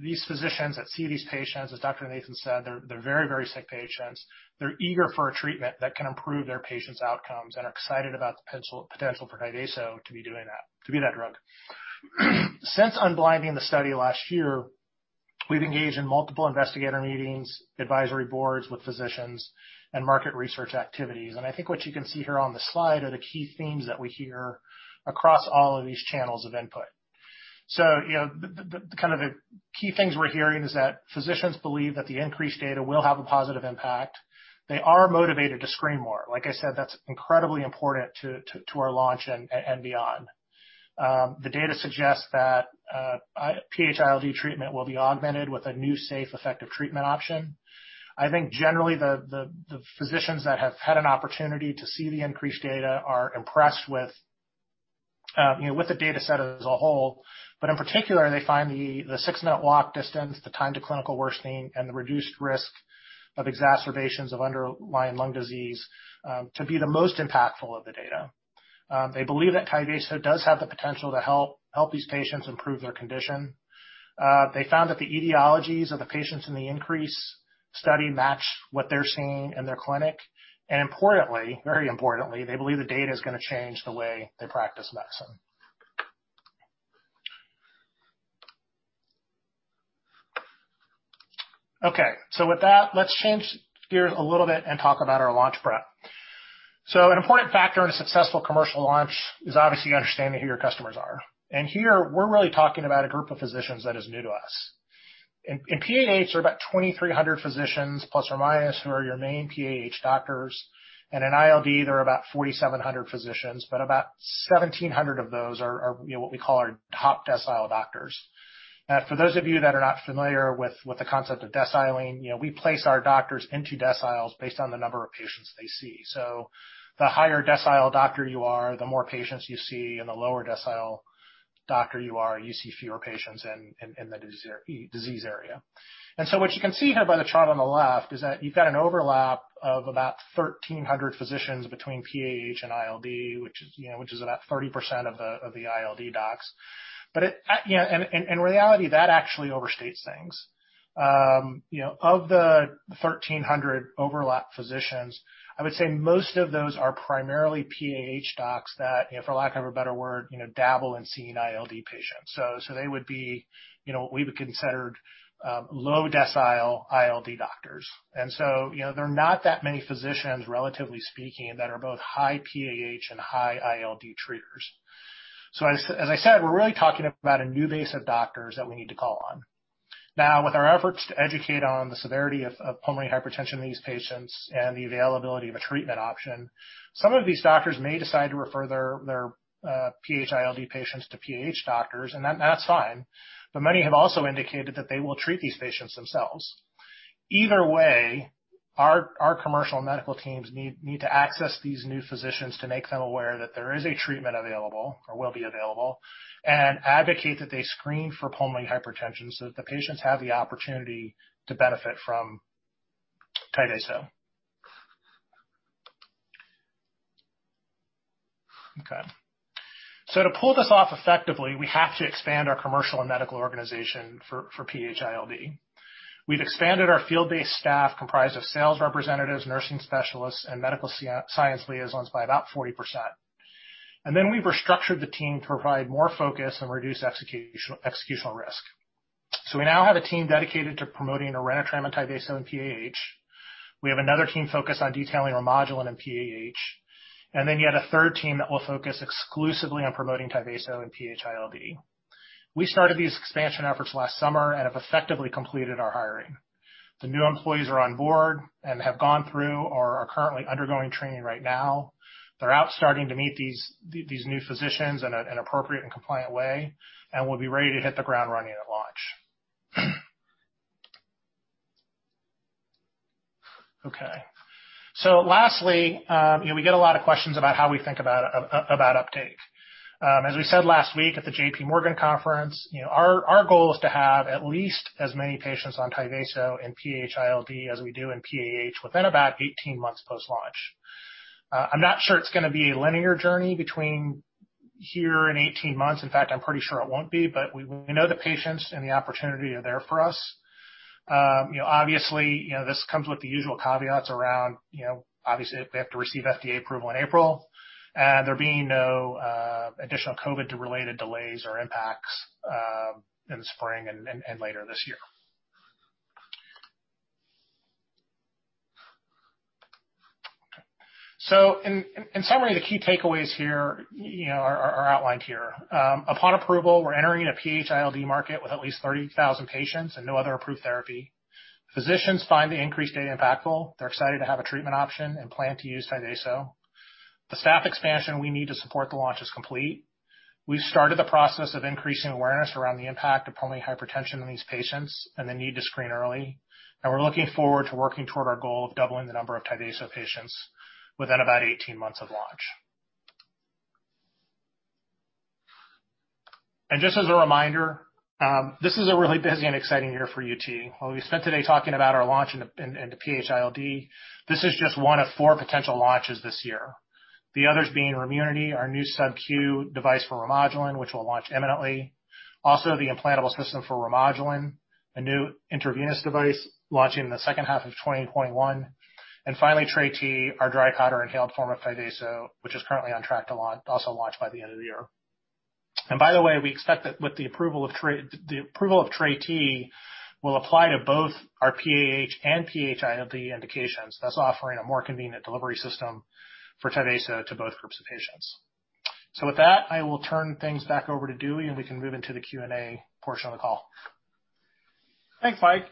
These physicians that see these patients, as Dr. Steven Nathan said, they're very sick patients. They're eager for a treatment that can improve their patients' outcomes and are excited about the potential for TYVASO to be that drug. Since unblinding the study last year, we've engaged in multiple investigator meetings, advisory boards with physicians, and market research activities. I think what you can see here on the slide are the key themes that we hear across all of these channels of input. Kind of key things we're hearing is that physicians believe that the INCREASE data will have a positive impact. They are motivated to screen more. Like I said, that's incredibly important to our launch and beyond. The data suggests that PH-ILD treatment will be augmented with a new, safe, effective treatment option. I think generally the physicians that have had an opportunity to see the INCREASE data are impressed with the data set as a whole, but in particular, they find the six-minute walk distance, the time to clinical worsening, and the reduced risk of exacerbations of underlying lung disease to be the most impactful of the data. They believe that TYVASO does have the potential to help these patients improve their condition. They found that the etiologies of the patients in the INCREASE study match what they're seeing in their clinic. Importantly, very importantly, they believe the data is going to change the way they practice medicine. With that, let's change gears a little bit and talk about our launch prep. An important factor in a successful commercial launch is obviously understanding who your customers are. Here we're really talking about a group of physicians that is new to us. In PAH, there are about 2,300 physicians, plus-minus, who are your main PAH doctors. In ILD, there are about 4,700 physicians, but about 1,700 of those are what we call our top decile doctors. For those of you that are not familiar with the concept of deciling, we place our doctors into deciles based on the number of patients they see. The higher decile doctor you are, the more patients you see, and the lower decile doctor you are, you see fewer patients in the disease area. What you can see here by the chart on the left is that you've got an overlap of about 1,300 physicians between PAH and ILD, which is about 30% of the ILD docs. In reality, that actually overstates things. Of the 1,300 overlap physicians, I would say most of those are primarily PAH docs that, for lack of a better word, dabble in seeing ILD patients. So they would be what we would consider low decile ILD doctors. There are not that many physicians, relatively speaking, that are both high PAH and high ILD treaters. As I said, we're really talking about a new base of doctors that we need to call on. Now, with our efforts to educate on the severity of pulmonary hypertension in these patients and the availability of a treatment option, some of these doctors may decide to refer their PH-ILD patients to PAH doctors. That's fine. Many have also indicated that they will treat these patients themselves. Either way, our commercial medical teams need to access these new physicians to make them aware that there is a treatment available or will be available, and advocate that they screen for pulmonary hypertension so that the patients have the opportunity to benefit from TYVASO. Okay. To pull this off effectively, we have to expand our commercial and medical organization for PH-ILD. We've expanded our field-based staff, comprised of sales representatives, nursing specialists, and medical science liaisons, by about 40%. We've restructured the team to provide more focus and reduce executional risk. We now have a team dedicated to promoting ORENITRAM and TYVASO in PAH. We have another team focused on detailing REMODULIN in PAH. Yet a third team that will focus exclusively on promoting TYVASO in PH-ILD. We started these expansion efforts last summer and have effectively completed our hiring. The new employees are on board and have gone through or are currently undergoing training right now. They're out starting to meet these new physicians in an appropriate and compliant way, and will be ready to hit the ground running at launch. Okay. Lastly, we get a lot of questions about how we think about uptake. As we said last week at the JPMorgan conference, our goal is to have at least as many patients on TYVASO and PH-ILD as we do in PAH within about 18 months post-launch. I'm not sure it's going to be a linear journey between here and 18 months. In fact, I'm pretty sure it won't be, but we know the patients and the opportunity are there for us. This comes with the usual caveats around we have to receive FDA approval in April, and there being no additional COVID-related delays or impacts in the spring and later this year. In summary, the key takeaways here are outlined here. Upon approval, we're entering a PH-ILD market with at least 30,000 patients and no other approved therapy. Physicians find the INCREASE data impactful. They're excited to have a treatment option and plan to use TYVASO. The staff expansion we need to support the launch is complete. We've started the process of increasing awareness around the impact of pulmonary hypertension on these patients and the need to screen early. We're looking forward to working toward our goal of doubling the number of TYVASO patients within about 18 months of launch. Just as a reminder, this is a really busy and exciting year for UT. While we spent today talking about our launch into PH-ILD, this is just one of four potential launches this year. The others being REMUNITY, our new sub-Q device for REMODULIN, which will launch imminently. Also, the implantable system for REMODULIN, a new intravenous device launching in the second half of 2021. Finally, TYVASO DPI, our dry powder inhaled form of TYVASO, which is currently on track to also launch by the end of the year. By the way, we expect that the approval of TYVASO DPI will apply to both our PAH and PH-ILD indications, thus offering a more convenient delivery system for TYVASO to both groups of patients. With that, I will turn things back over to Dewey, and we can move into the Q&A portion of the call.
Thanks, Mike.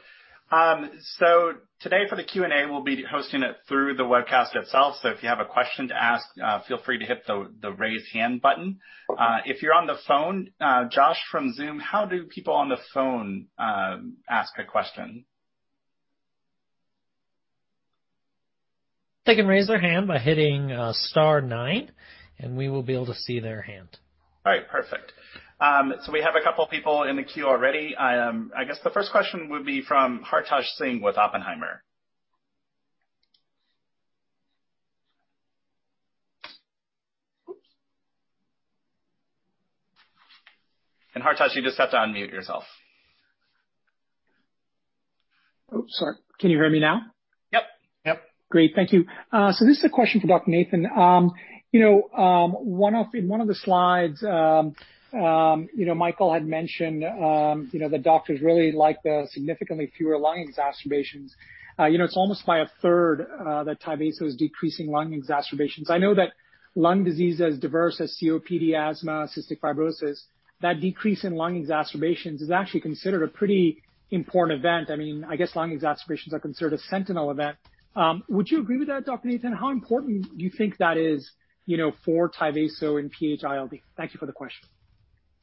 Today for the Q&A, we'll be hosting it through the webcast itself. If you have a question to ask, feel free to hit the raise hand button. If you're on the phone, Josh from Zoom, how do people on the phone ask a question?
They can raise their hand by hitting star nine, and we will be able to see their hand.
All right, perfect. We have a couple people in the queue already. I guess the first question would be from Hartaj Singh with Oppenheimer. Oops. Hartaj, you just have to unmute yourself.
Oh, sorry. Can you hear me now?
Yep.
Great. Thank you. This is a question for Dr. Nathan. In one of the slides, Michael had mentioned that doctors really like the significantly fewer lung exacerbations. It's almost by a third that TYVASO is decreasing lung exacerbations. I know that lung disease as diverse as COPD, asthma, cystic fibrosis, that decrease in lung exacerbations is actually considered a pretty important event. I guess lung exacerbations are considered a sentinel event. Would you agree with that, Dr. Nathan? How important do you think that is for TYVASO in PH-ILD? Thank you for the question.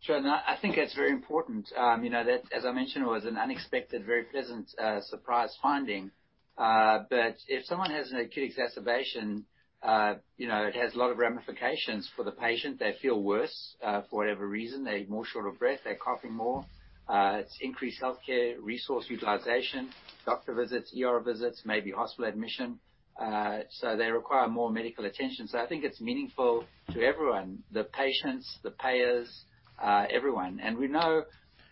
Sure. No, I think that's very important. As I mentioned, it was an unexpected, very pleasant surprise finding. If someone has an acute exacerbation, it has a lot of ramifications for the patient. They feel worse for whatever reason. They're more short of breath. They're coughing more. It's increased healthcare resource utilization, doctor visits, ER visits, maybe hospital admission. They require more medical attention. I think it's meaningful to everyone, the patients, the payers, everyone. We know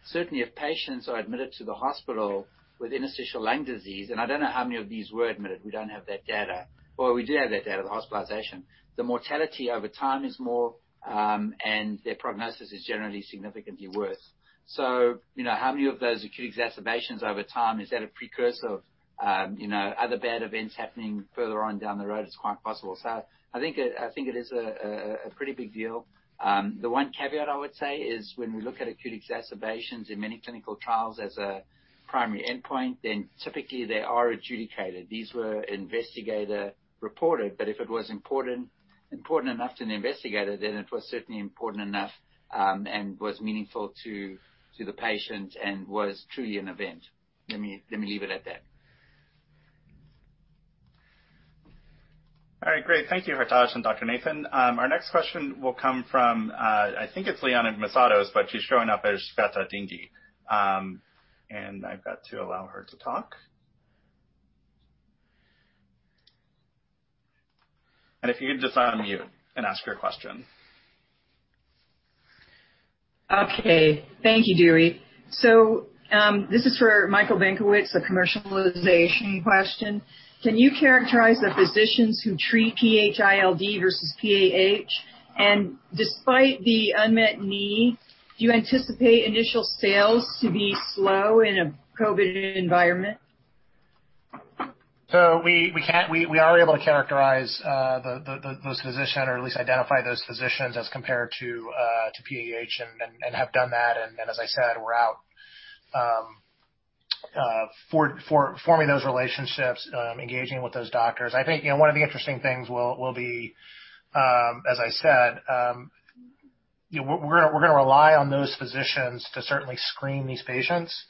certainly if patients are admitted to the hospital with interstitial lung disease, and I don't know how many of these were admitted, we don't have that data, or we do have that data, the hospitalization, the mortality over time is more, and their prognosis is generally significantly worse. How many of those acute exacerbations over time is at a precursor of other bad events happening further on down the road? It's quite possible. I think it is a pretty big deal. The one caveat I would say is when we look at acute exacerbations in many clinical trials as a primary endpoint, then typically they are adjudicated. These were investigator reported, but if it was important enough to the investigator, then it was certainly important enough and was meaningful to the patient and was truly an event. Let me leave it at that.
All right. Great. Thank you, Hartaj and Dr. Nathan. Our next question will come from, I think it's Liana Massados, but she's showing up as [Sveta Dingy]. I've got to allow her to talk. If you could just unmute and ask your question.
Okay. Thank you, Dewey. This is for Michael Benkowitz, a commercialization question. Can you characterize the physicians who treat PH-ILD versus PAH? Despite the unmet need, do you anticipate initial sales to be slow in a COVID environment?
We are able to characterize those physicians or at least identify those physicians as compared to PAH and have done that, and as I said, we're out forming those relationships, engaging with those doctors. I think one of the interesting things will be, as I said, we're going to rely on those physicians to certainly screen these patients.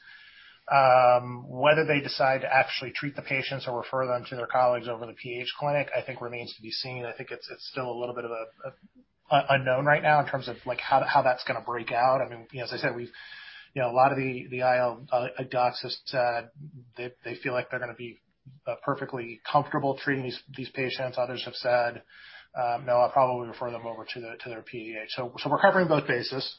Whether they decide to actually treat the patients or refer them to their colleagues over in the PH clinic, I think remains to be seen. I think it's still a little bit of an unknown right now in terms of how that's going to break out. As I said, a lot of the ILD docs have said they feel like they're going to be perfectly comfortable treating these patients. Others have said, "No, I'll probably refer them over to their PAH." We're covering both bases.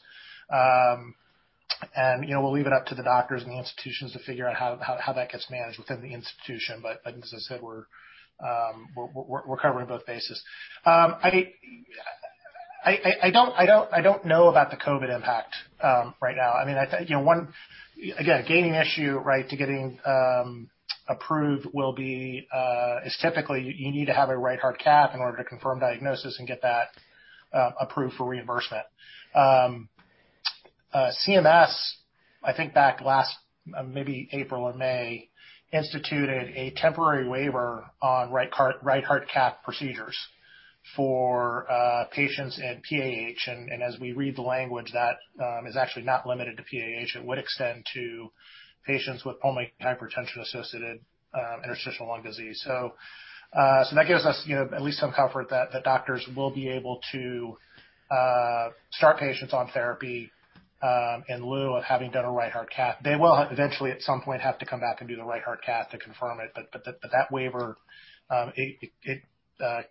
We'll leave it up to the doctors and the institutions to figure out how that gets managed within the institution. As I said, we're covering both bases. I don't know about the COVID impact right now. Again, a gaining issue to getting approved is typically you need to have a Right Heart Cath in order to confirm diagnosis and get that approved for reimbursement. CMS, I think back last maybe April or May, instituted a temporary waiver on Right Heart Cath procedures for patients in PAH. As we read the language, that is actually not limited to PAH. It would extend to patients with pulmonary hypertension-associated interstitial lung disease. That gives us at least some comfort that the doctors will be able to start patients on therapy in lieu of having done a Right Heart Cath. They will eventually, at some point, have to come back and do the Right Heart Cath to confirm it. That waiver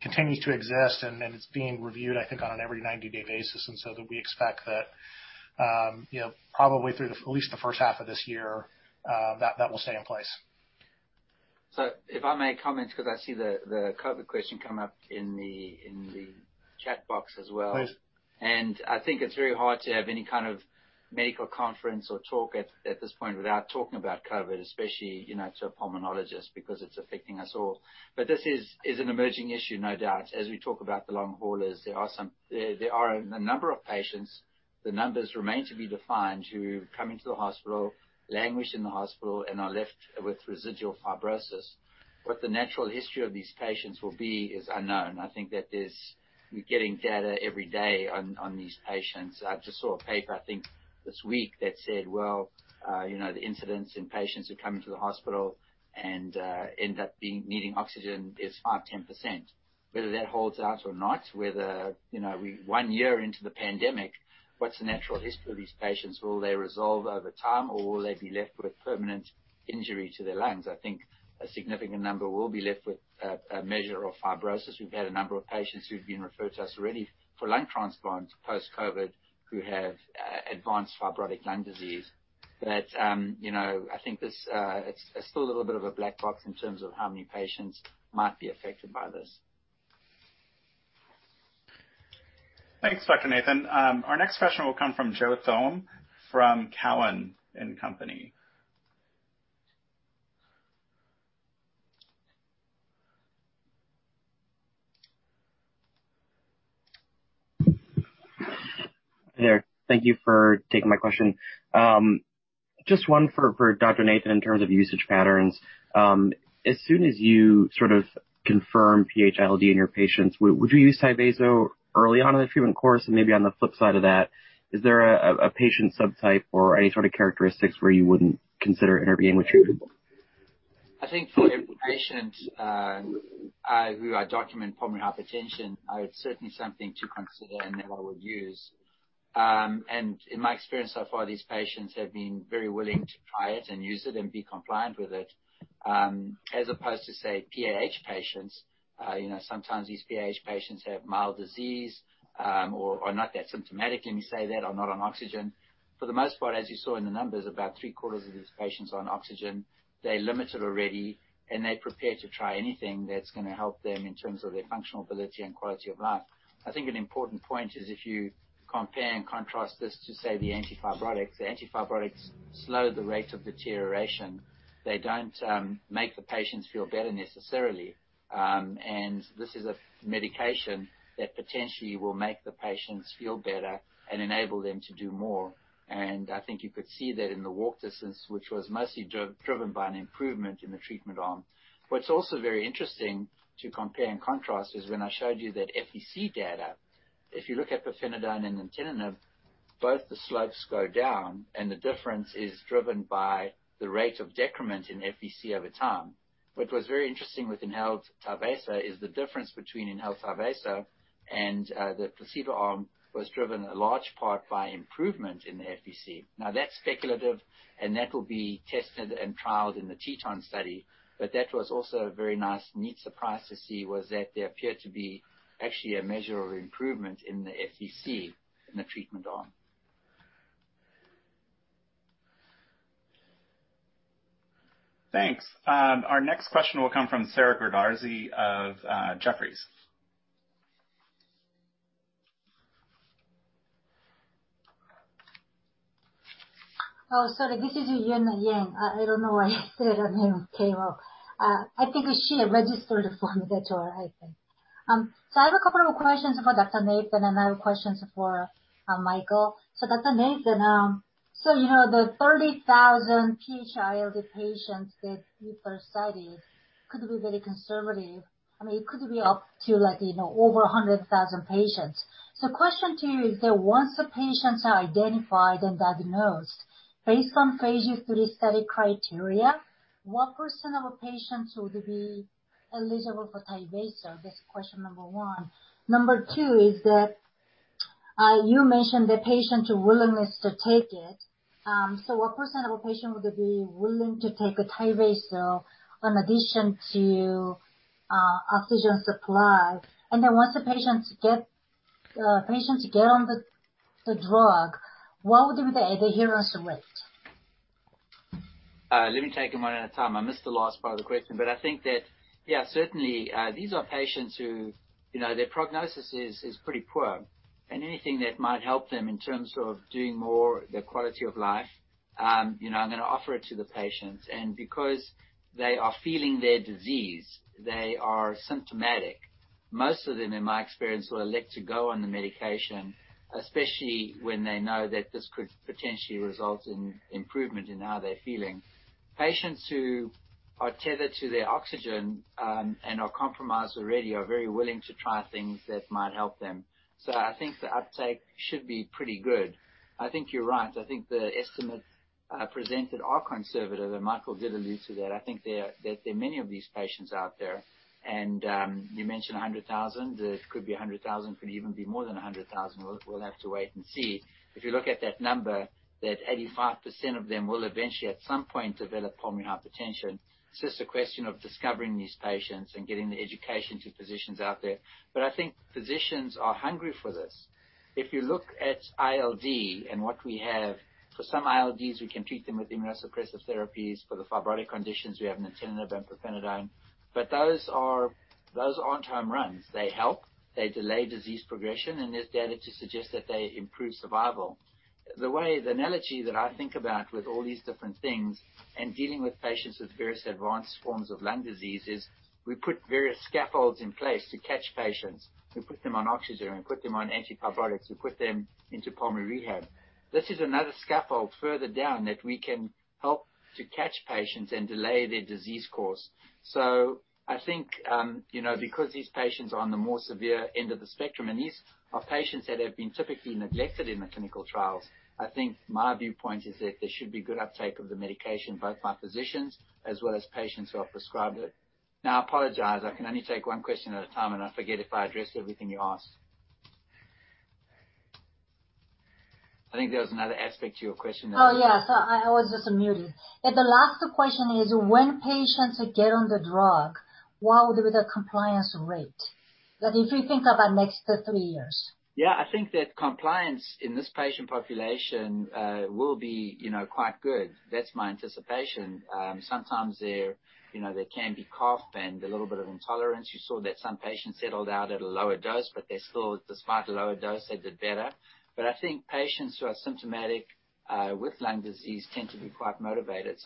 continues to exist, and it's being reviewed, I think, on an every 90-day basis. We expect that probably through at least the first half of this year, that will stay in place.
If I may comment, because I see the COVID question come up in the chat box as well.
Please.
I think it's very hard to have any kind of medical conference or talk at this point without talking about COVID, especially to a pulmonologist, because it's affecting us all. This is an emerging issue, no doubt, as we talk about the long haulers. There are a number of patients, the numbers remain to be defined, who come into the hospital, languish in the hospital, and are left with residual fibrosis. What the natural history of these patients will be is unknown. I think that we're getting data every day on these patients. I just saw a paper, I think this week, that said, well, the incidence in patients who come into the hospital and end up needing oxygen is 5%-10%. Whether that holds out or not, whether one year into the pandemic, what's the natural history of these patients? Will they resolve over time, or will they be left with permanent injury to their lungs? I think a significant number will be left with a measure of fibrosis. We've had a number of patients who've been referred to us already for lung transplants post-COVID who have advanced fibrotic lung disease. I think it's still a little bit of a black box in terms of how many patients might be affected by this.
Thanks, Dr. Nathan. Our next question will come from Joe Thome from Cowen and Company.
Hi there. Thank you for taking my question. Just one for Dr. Nathan in terms of usage patterns. As soon as you sort of confirm PH-ILD in your patients, would you use TYVASO early on in the treatment course? Maybe on the flip side of that, is there a patient subtype or any sort of characteristics where you wouldn't consider intervening with TYVASO?
I think for every patient who I document pulmonary hypertension, it is certainly something to consider and that I would use. In my experience so far, these patients have been very willing to try it and use it and be compliant with it. As opposed to, say, PAH patients. Sometimes these PAH patients have mild disease or are not that symptomatic, let me say that, or not on oxygen. For the most part, as you saw in the numbers, about three-quarters of these patients are on oxygen. They are limited already, and they are prepared to try anything that is going to help them in terms of their functional ability. [inaudible] I think an important point is if you compare and contrast this to, say, the antifibrotics, the antifibrotics slow the rate of degeneration. They don't make the patients feel better necessarily, and this is a medication that potentially will make the patients feel better and enable them to do more. And I think you could see that in the walk distance, which was mostly driven by improvement in the treatment arm. What's also very interesting to compare and contrast is when I showed you the FVC data, if you look at pirfenidone and nintedanib, both slopes go down, and the difference is driven by the rate of decrement in FVC over time. But it was interesting within health TYVASO, the difference between inhaled TYVASO and the placebo was driven in large part by improvement in FVC. Now, that's speculative, and that will be tested and trialed in the Teton study, but that was also a very nice, neat surprise to see was that there appeared to be actually a measure of improvement in the FVC in the treatment arm.
Thanks. Our next question will come from [Sarah Badazi] of Jefferies.
Oh, sorry, I didn't hear that again. Idon't know why it didn't came up. I think I shared the registered form of it. I have a couple of questions about the TYVESO and I have questions for Michael. The TYVASO, you have a 30,000 child of patients with [inaudible] could have been a conservatory. I mean, it could be up to like over 100,000 patients that identified in that post, based on patients in the study criteria, what percent of patients would be eligible for TYVASO? This is question number one. Number two is that you mentioned the patient's willingness to take it. What percent of a patient would be willing to take TYVASO in addition to oxygen supply? Once the patients get on the drug, what would be the adherence rate?
Let me take them one at a time. I missed the last part of the question. I think that, certainly, these are patients who their prognosis is pretty poor, and anything that might help them in terms of doing more, their quality of life, I am going to offer it to the patients. Because they are feeling their disease, they are symptomatic. Most of them, in my experience, will elect to go on the medication, especially when they know that this could potentially result in improvement in how they are feeling. Patients who are tethered to their oxygen and are compromised already are very willing to try things that might help them. I think the uptake should be pretty good. I think you're right. I think the estimates presented are conservative, and Michael did allude to that. I think there are many of these patients out there, and you mentioned 100,000. It could be 100,000, could even be more than 100,000. We'll have to wait and see. If you look at that number, that 85% of them will eventually, at some point, develop pulmonary hypertension. It's just a question of discovering these patients and getting the education to physicians out there. I think physicians are hungry for this. If you look at ILD and what we have for some ILDs, we can treat them with immunosuppressive therapies. For the fibrotic conditions, we have nintedanib and pirfenidone. Those aren't home runs. They help. They delay disease progression, and there's data to suggest that they improve survival. The analogy that I think about with all these different things and dealing with patients with various advanced forms of lung disease is we put various scaffolds in place to catch patients. We put them on oxygen, we put them on antibiotics, we put them into pulmonary rehab. This is another scaffold further down that we can help to catch patients and delay their disease course. I think, because these patients are on the more severe end of the spectrum, and these are patients that have been typically neglected in the clinical trials, I think my viewpoint is that there should be good uptake of the medication, both by physicians as well as patients who are prescribed it. I apologize, I can only take one question at a time, and I forget if I addressed everything you asked. I think there was another aspect to your question.
Oh, yes. I was just on mute. The last question is: When patients get on the drug, what will be the compliance rate? If we think about next three years.
Yeah. I think that compliance in this patient population will be quite good. That's my anticipation. Sometimes there can be cough and a little bit of intolerance. You saw that some patients settled out at a lower dose, but they still, despite the lower dose, they did better. I think patients who are symptomatic with lung disease tend to be quite motivated.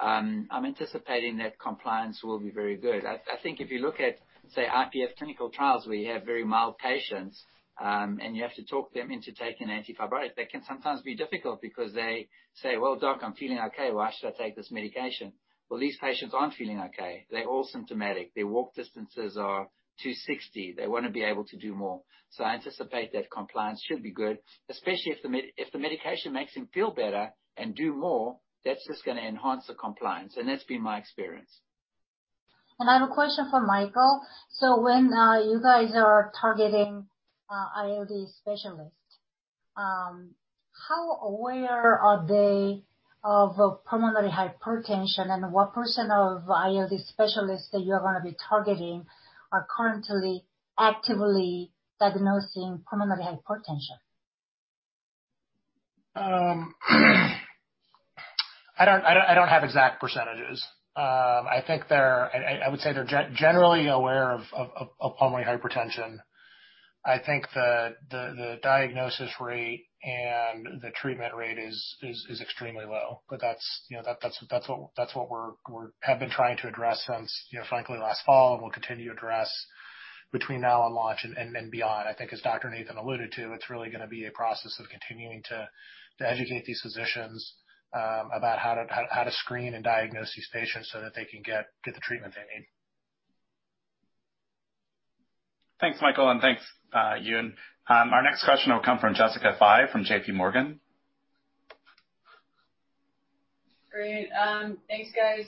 I'm anticipating that compliance will be very good. If you look at, say, IPF clinical trials, where you have very mild patients, and you have to talk them into taking an antibiotic, that can sometimes be difficult because they say, "Well, doc, I'm feeling okay. Why should I take this medication?" These patients aren't feeling okay. They're all symptomatic. Their walk distances are 260. They want to be able to do more. I anticipate that compliance should be good, especially if the medication makes them feel better and do more, that's just going to enhance the compliance. That's been my experience.
I have a question for Michael. When you guys are targeting ILD specialists, how aware are they of pulmonary hypertension, and what percent of ILD specialists that you are going to be targeting are currently actively diagnosing pulmonary hypertension?
I don't have exact percent it is. I would say they're generally aware of pulmonary hypertension. I think the diagnosis rate and the treatment rate is extremely low. That's what we have been trying to address since, frankly, last fall, and we'll continue to address between now and launch and then beyond. I think as Dr. Nathan alluded to, it's really going to be a process of continuing to educate these physicians about how to screen and diagnose these patients so that they can get the treatment they need.
Thanks, Michael, and thanks, Eun. Our next question will come from Jessica Fye from JPMorgan.
Great. Thanks, guys.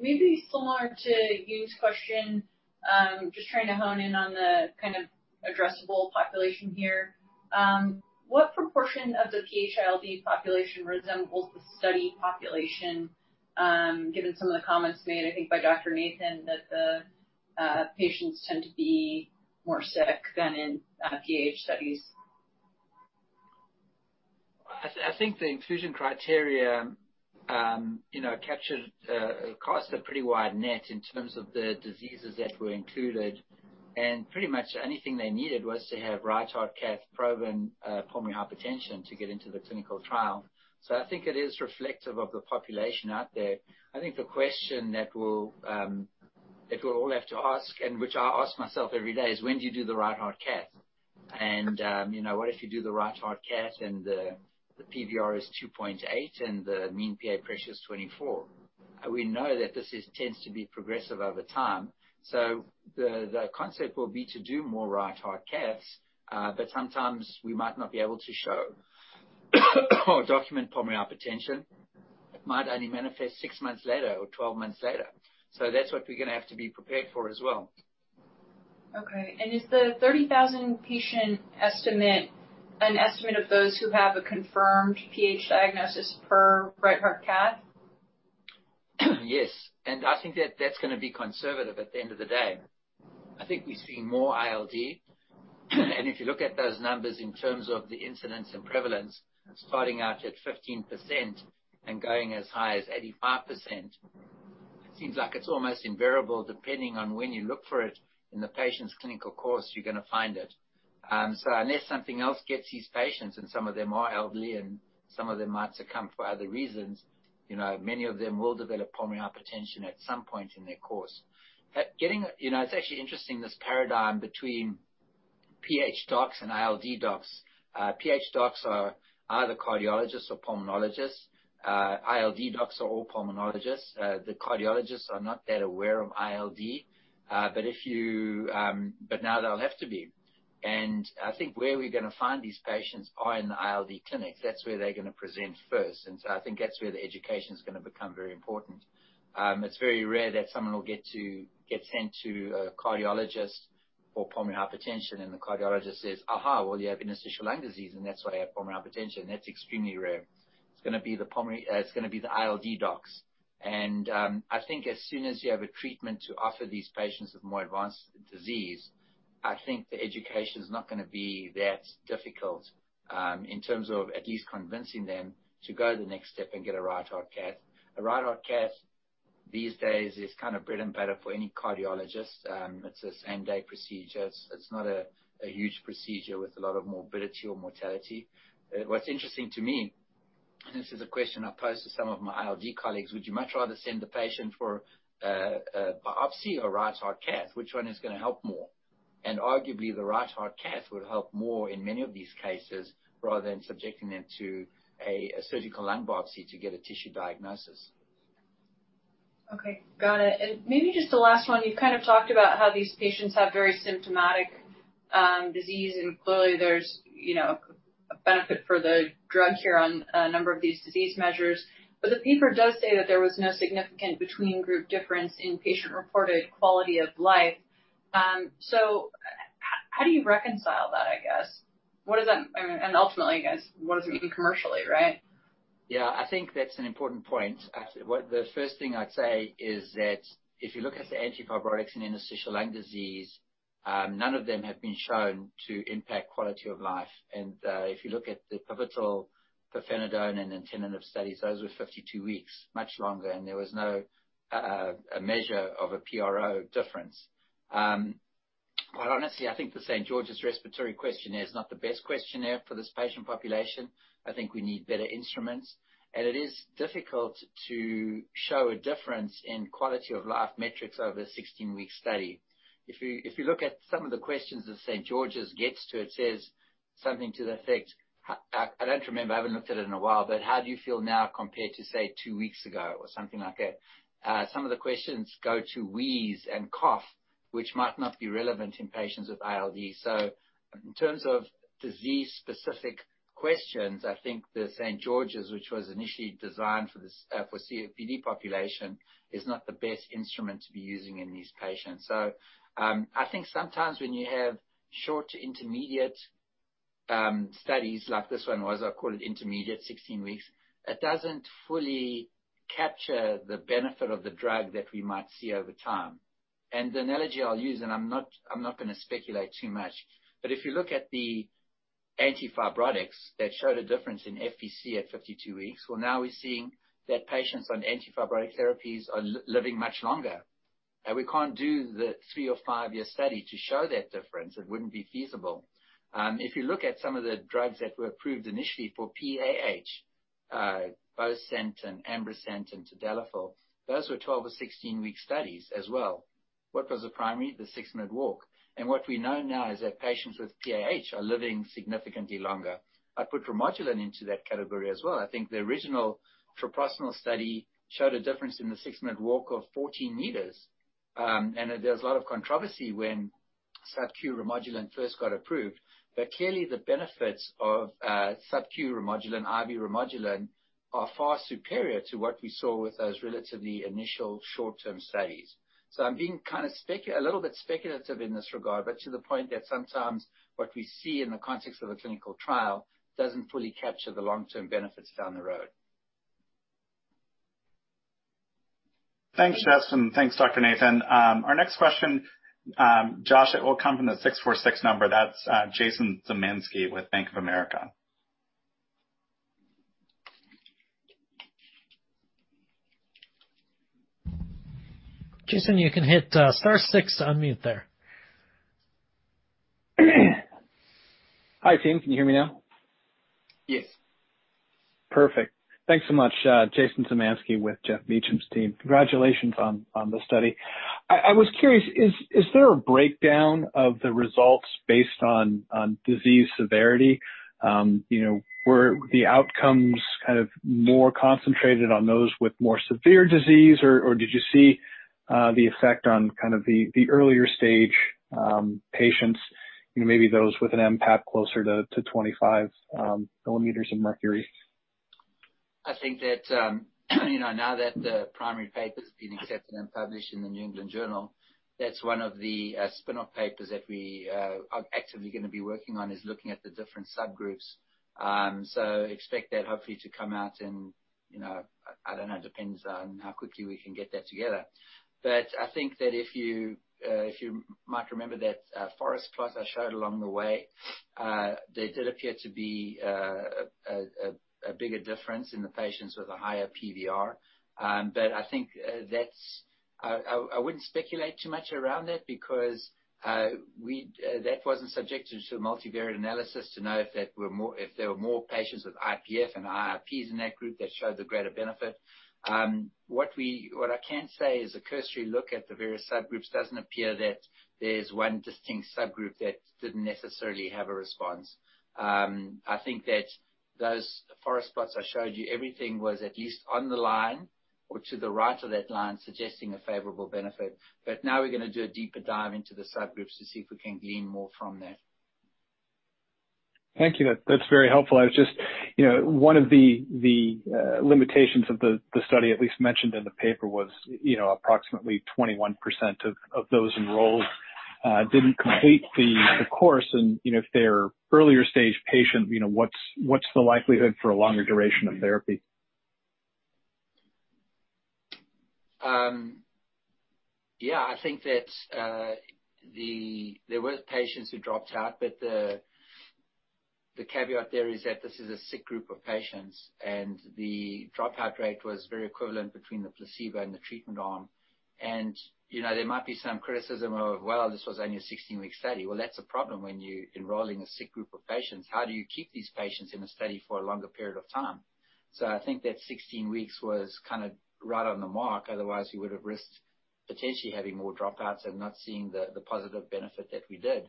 Maybe similar to Eun's question, just trying to hone in on the kind of addressable population here. What proportion of the PH-ILD population resembles the study population, given some of the comments made, I think, by Dr. Nathan, that the patients tend to be more sick than in PH studies?
I think the inclusion criteria cast a pretty wide net in terms of the diseases that were included, and pretty much anything they needed was to have Right Heart Cath proven pulmonary hypertension to get into the clinical trial. I think it is reflective of the population out there. I think the question that we'll all have to ask, and which I ask myself every day, is when do you do the Right Heart Cath? What if you do the Right Heart Cath and the PVR is 2.8 and the mean PA pressure is 24? We know that this tends to be progressive over time. The concept will be to do more Right Heart Caths, but sometimes we might not be able to show or document pulmonary hypertension. It might only manifest six months later or 12 months later. That's what we're going to have to be prepared for as well.
Okay. Is the 30,000 patient estimate an estimate of those who have a confirmed PH diagnosis per Right Heart Cath?
Yes. I think that that's going to be conservative at the end of the day. I think we're seeing more ILD. If you look at those numbers in terms of the incidence and prevalence starting out at 15% and going as high as 85%, it seems like it's almost invariable depending on when you look for it in the patient's clinical course, you're going to find it. Unless something else gets these patients, and some of them are elderly and some of them might succumb for other reasons, many of them will develop pulmonary hypertension at some point in their course. It's actually interesting, this paradigm between PH docs and ILD docs. PH docs are either cardiologists or pulmonologists. ILD docs are all pulmonologists. The cardiologists are not that aware of ILD, but now they'll have to be. I think where we're going to find these patients are in the ILD clinics. That's where they're going to present first. I think that's where the education's going to become very important. It's very rare that someone will get sent to a cardiologist for pulmonary hypertension. The cardiologist says, "Aha, well, you have interstitial lung disease, and that's why I have pulmonary hypertension." That's extremely rare. It's going to be the ILD docs. I think as soon as you have a treatment to offer these patients with more advanced disease, I think the education's not going to be that difficult, in terms of at least convincing them to go the next step and get a right heart cath. A Right Heart Cath these days is kind of bread and butter for any cardiologist. It's a same-day procedure. It's not a huge procedure with a lot of morbidity or mortality. What's interesting to me, this is a question I posed to some of my ILD colleagues: would you much rather send the patient for a biopsy or Right Heart Cath? Which one is going to help more? Arguably, the Right Heart Cath would help more in many of these cases, rather than subjecting them to a surgical lung biopsy to get a tissue diagnosis.
Okay, got it. Maybe just the last one, you've kind of talked about how these patients have very symptomatic, disease, and clearly there's a benefit for the drug here on a number of these disease measures. The paper does say that there was no significant between-group difference in patient-reported quality of life. How do you reconcile that, I guess? Ultimately, I guess, what does it mean commercially, right?
Yeah. I think that's an important point. The first thing I'd say is that if you look at the antifibrotics in interstitial lung disease, none of them have been shown to impact quality of life. If you look at the pivotal pirfenidone and nintedanib studies, those were 52 weeks, much longer, and there was no measure of a PRO difference. Quite honestly, I think the St. George's Respiratory Questionnaire is not the best questionnaire for this patient population. I think we need better instruments, and it is difficult to show a difference in quality of life metrics over a 16-week study. If you look at some of the questions that St. George's gets to, it says something to the effect, I don't remember, I haven't looked at it in a while. How do you feel now compared to, say, two weeks ago? Something like that. Some of the questions go to wheeze and cough, which might not be relevant in patients with ILD. In terms of disease-specific questions, I think the St. George's, which was initially designed for the COPD population, is not the best instrument to be using in these patients. I think sometimes when you have short to intermediate studies, like this one was, I call it intermediate, 16 weeks, it doesn't fully capture the benefit of the drug that we might see over time. The analogy I'll use, and I'm not going to speculate too much, but if you look at the antifibrotics that showed a difference in FVC at 52 weeks, well, now we're seeing that patients on antifibrotic therapies are living much longer. We can't do the three or five-year study to show that difference. It wouldn't be feasible. If you look at some of the drugs that were approved initially for PAH, bosentan, ambrisentan, and tadalafil, those were 12 or 16-week studies as well. What was the primary? The six-minute walk. What we know now is that patients with PAH are living significantly longer. I'd put REMODULIN into that category as well. I think the original treprostinil study showed a difference in the six-minute walk of 14 meters. There was a lot of controversy when Subcu REMODULIN first got approved. Clearly, the benefits of Subcu REMODULIN, IV REMODULIN are far superior to what we saw with those relatively initial short-term studies. I'm being a little bit speculative in this regard, but to the point that sometimes what we see in the context of a clinical trial doesn't fully capture the long-term benefits down the road.
Thanks, Jess, and thanks, Dr. Nathan. Our next question, Josh, it will come from the six-four-six number. That's Jason Zemansky with Bank of America. Jason, you can hit star six to unmute there.
Hi, team. Can you hear me now?
Yes.
Perfect. Thanks so much. Jason Zemansky with Geoff Meacham's team. Congratulations on the study. I was curious, is there a breakdown of the results based on disease severity? Were the outcomes more concentrated on those with more severe disease, or did you see the effect on the earlier stage patients, maybe those with an mPAP closer to 25 millimeters of mercury?
I think that now that the primary paper's been accepted and published in the New England Journal, that's one of the spinoff papers that we are actively going to be working on, is looking at the different subgroups. Expect that hopefully to come out in, I don't know, it depends on how quickly we can get that together. I think that if you might remember that forest plot I showed along the way, there did appear to be a bigger difference in the patients with a higher PVR. I think I wouldn't speculate too much around that because that wasn't subjected to a multivariate analysis to know if there were more patients with IPF and IIPs in that group that showed the greater benefit. What I can say is a cursory look at the various subgroups doesn't appear that there's one distinct subgroup that didn't necessarily have a response. I think that those forest plots I showed you, everything was at least on the line or to the right of that line, suggesting a favorable benefit. Now we're going to do a deeper dive into the subgroups to see if we can glean more from there.
Thank you. That's very helpful. One of the limitations of the study, at least mentioned in the paper, was approximately 21% of those enrolled didn't complete the course. If they're an earlier stage patient, what's the likelihood for a longer duration of therapy?
I think that there were patients who dropped out, but the caveat there is that this is a sick group of patients, and the dropout rate was very equivalent between the placebo and the treatment arm. There might be some criticism of, well, this was only a 16-week study. Well, that's a problem when you're enrolling a sick group of patients. How do you keep these patients in a study for a longer period of time? I think that 16 weeks was right on the mark, otherwise you would have risked potentially having more dropouts and not seeing the positive benefit that we did.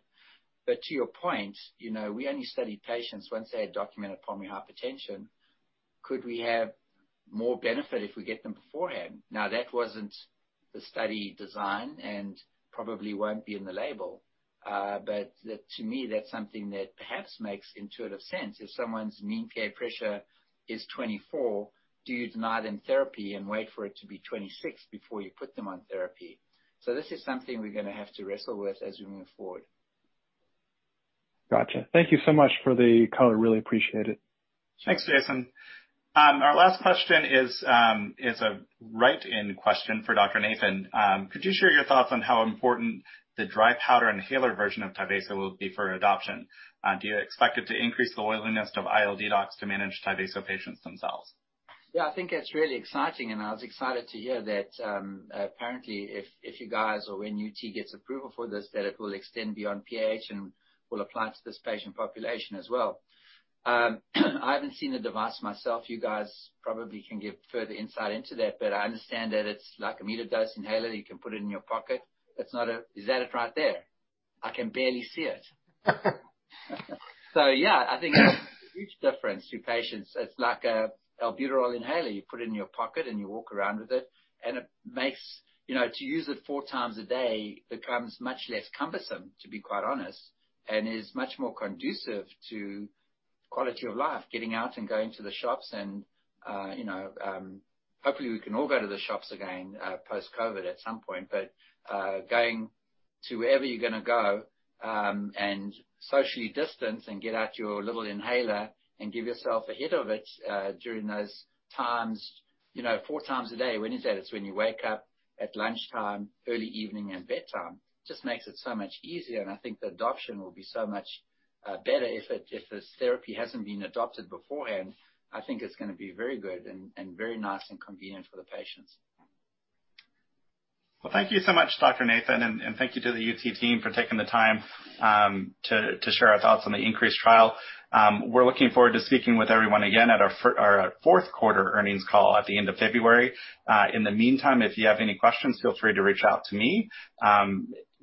To your point, we only studied patients once they had documented pulmonary hypertension. Could we have more benefit if we get them beforehand? Now, that wasn't the study design and probably won't be in the label. To me, that's something that perhaps makes intuitive sense. If someone's mean PA pressure is 24, do you deny them therapy and wait for it to be 26 before you put them on therapy? This is something we're going to have to wrestle with as we move forward.
Got you. Thank you so much for the color. Really appreciate it.
Thanks, Jason. Our last question is a write-in question for Dr. Nathan. "Could you share your thoughts on how important the dry powder inhaler version of TYVASO will be for adoption? Do you expect it to increase the willingness of ILD docs to manage TYVASO patients themselves?"
I think that's really exciting, and I was excited to hear that apparently, if you guys or when UT gets approval for this, that it will extend beyond PH and will apply to this patient population as well. I haven't seen the device myself. You guys probably can give further insight into that, but I understand that it's like a metered dose inhaler that you can put it in your pocket. Is that it right there? I can barely see it. yeah. I think it makes a huge difference to patients. It's like an albuterol inhaler. You put it in your pocket and you walk around with it, and to use it four times a day becomes much less cumbersome, to be quite honest, and is much more conducive to quality of life, getting out and going to the shops and hopefully we can all go to the shops again post-COVID at some point. Going to wherever you're going to go and socially distance and get out your little inhaler and give yourself a hit of it during those times, four times a day. When is that? It's when you wake up, at lunchtime, early evening, and bedtime. Just makes it so much easier, and I think the adoption will be so much better. If this therapy hasn't been adopted beforehand, I think it's going to be very good and very nice and convenient for the patients.
Well, thank you so much, Dr. Nathan, and thank you to the UT team for taking the time to share our thoughts on the INCREASE trial. We're looking forward to speaking with everyone again at our fourth quarter earnings call at the end of February. In the meantime, if you have any questions, feel free to reach out to me,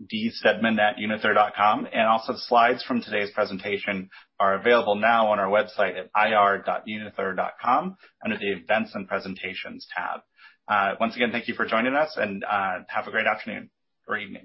DSteadman@unither.com. Also slides from today's presentation are available now on our website at ir.unither.com under the Events and Presentations tab. Once again, thank you for joining us and have a great afternoon or evening.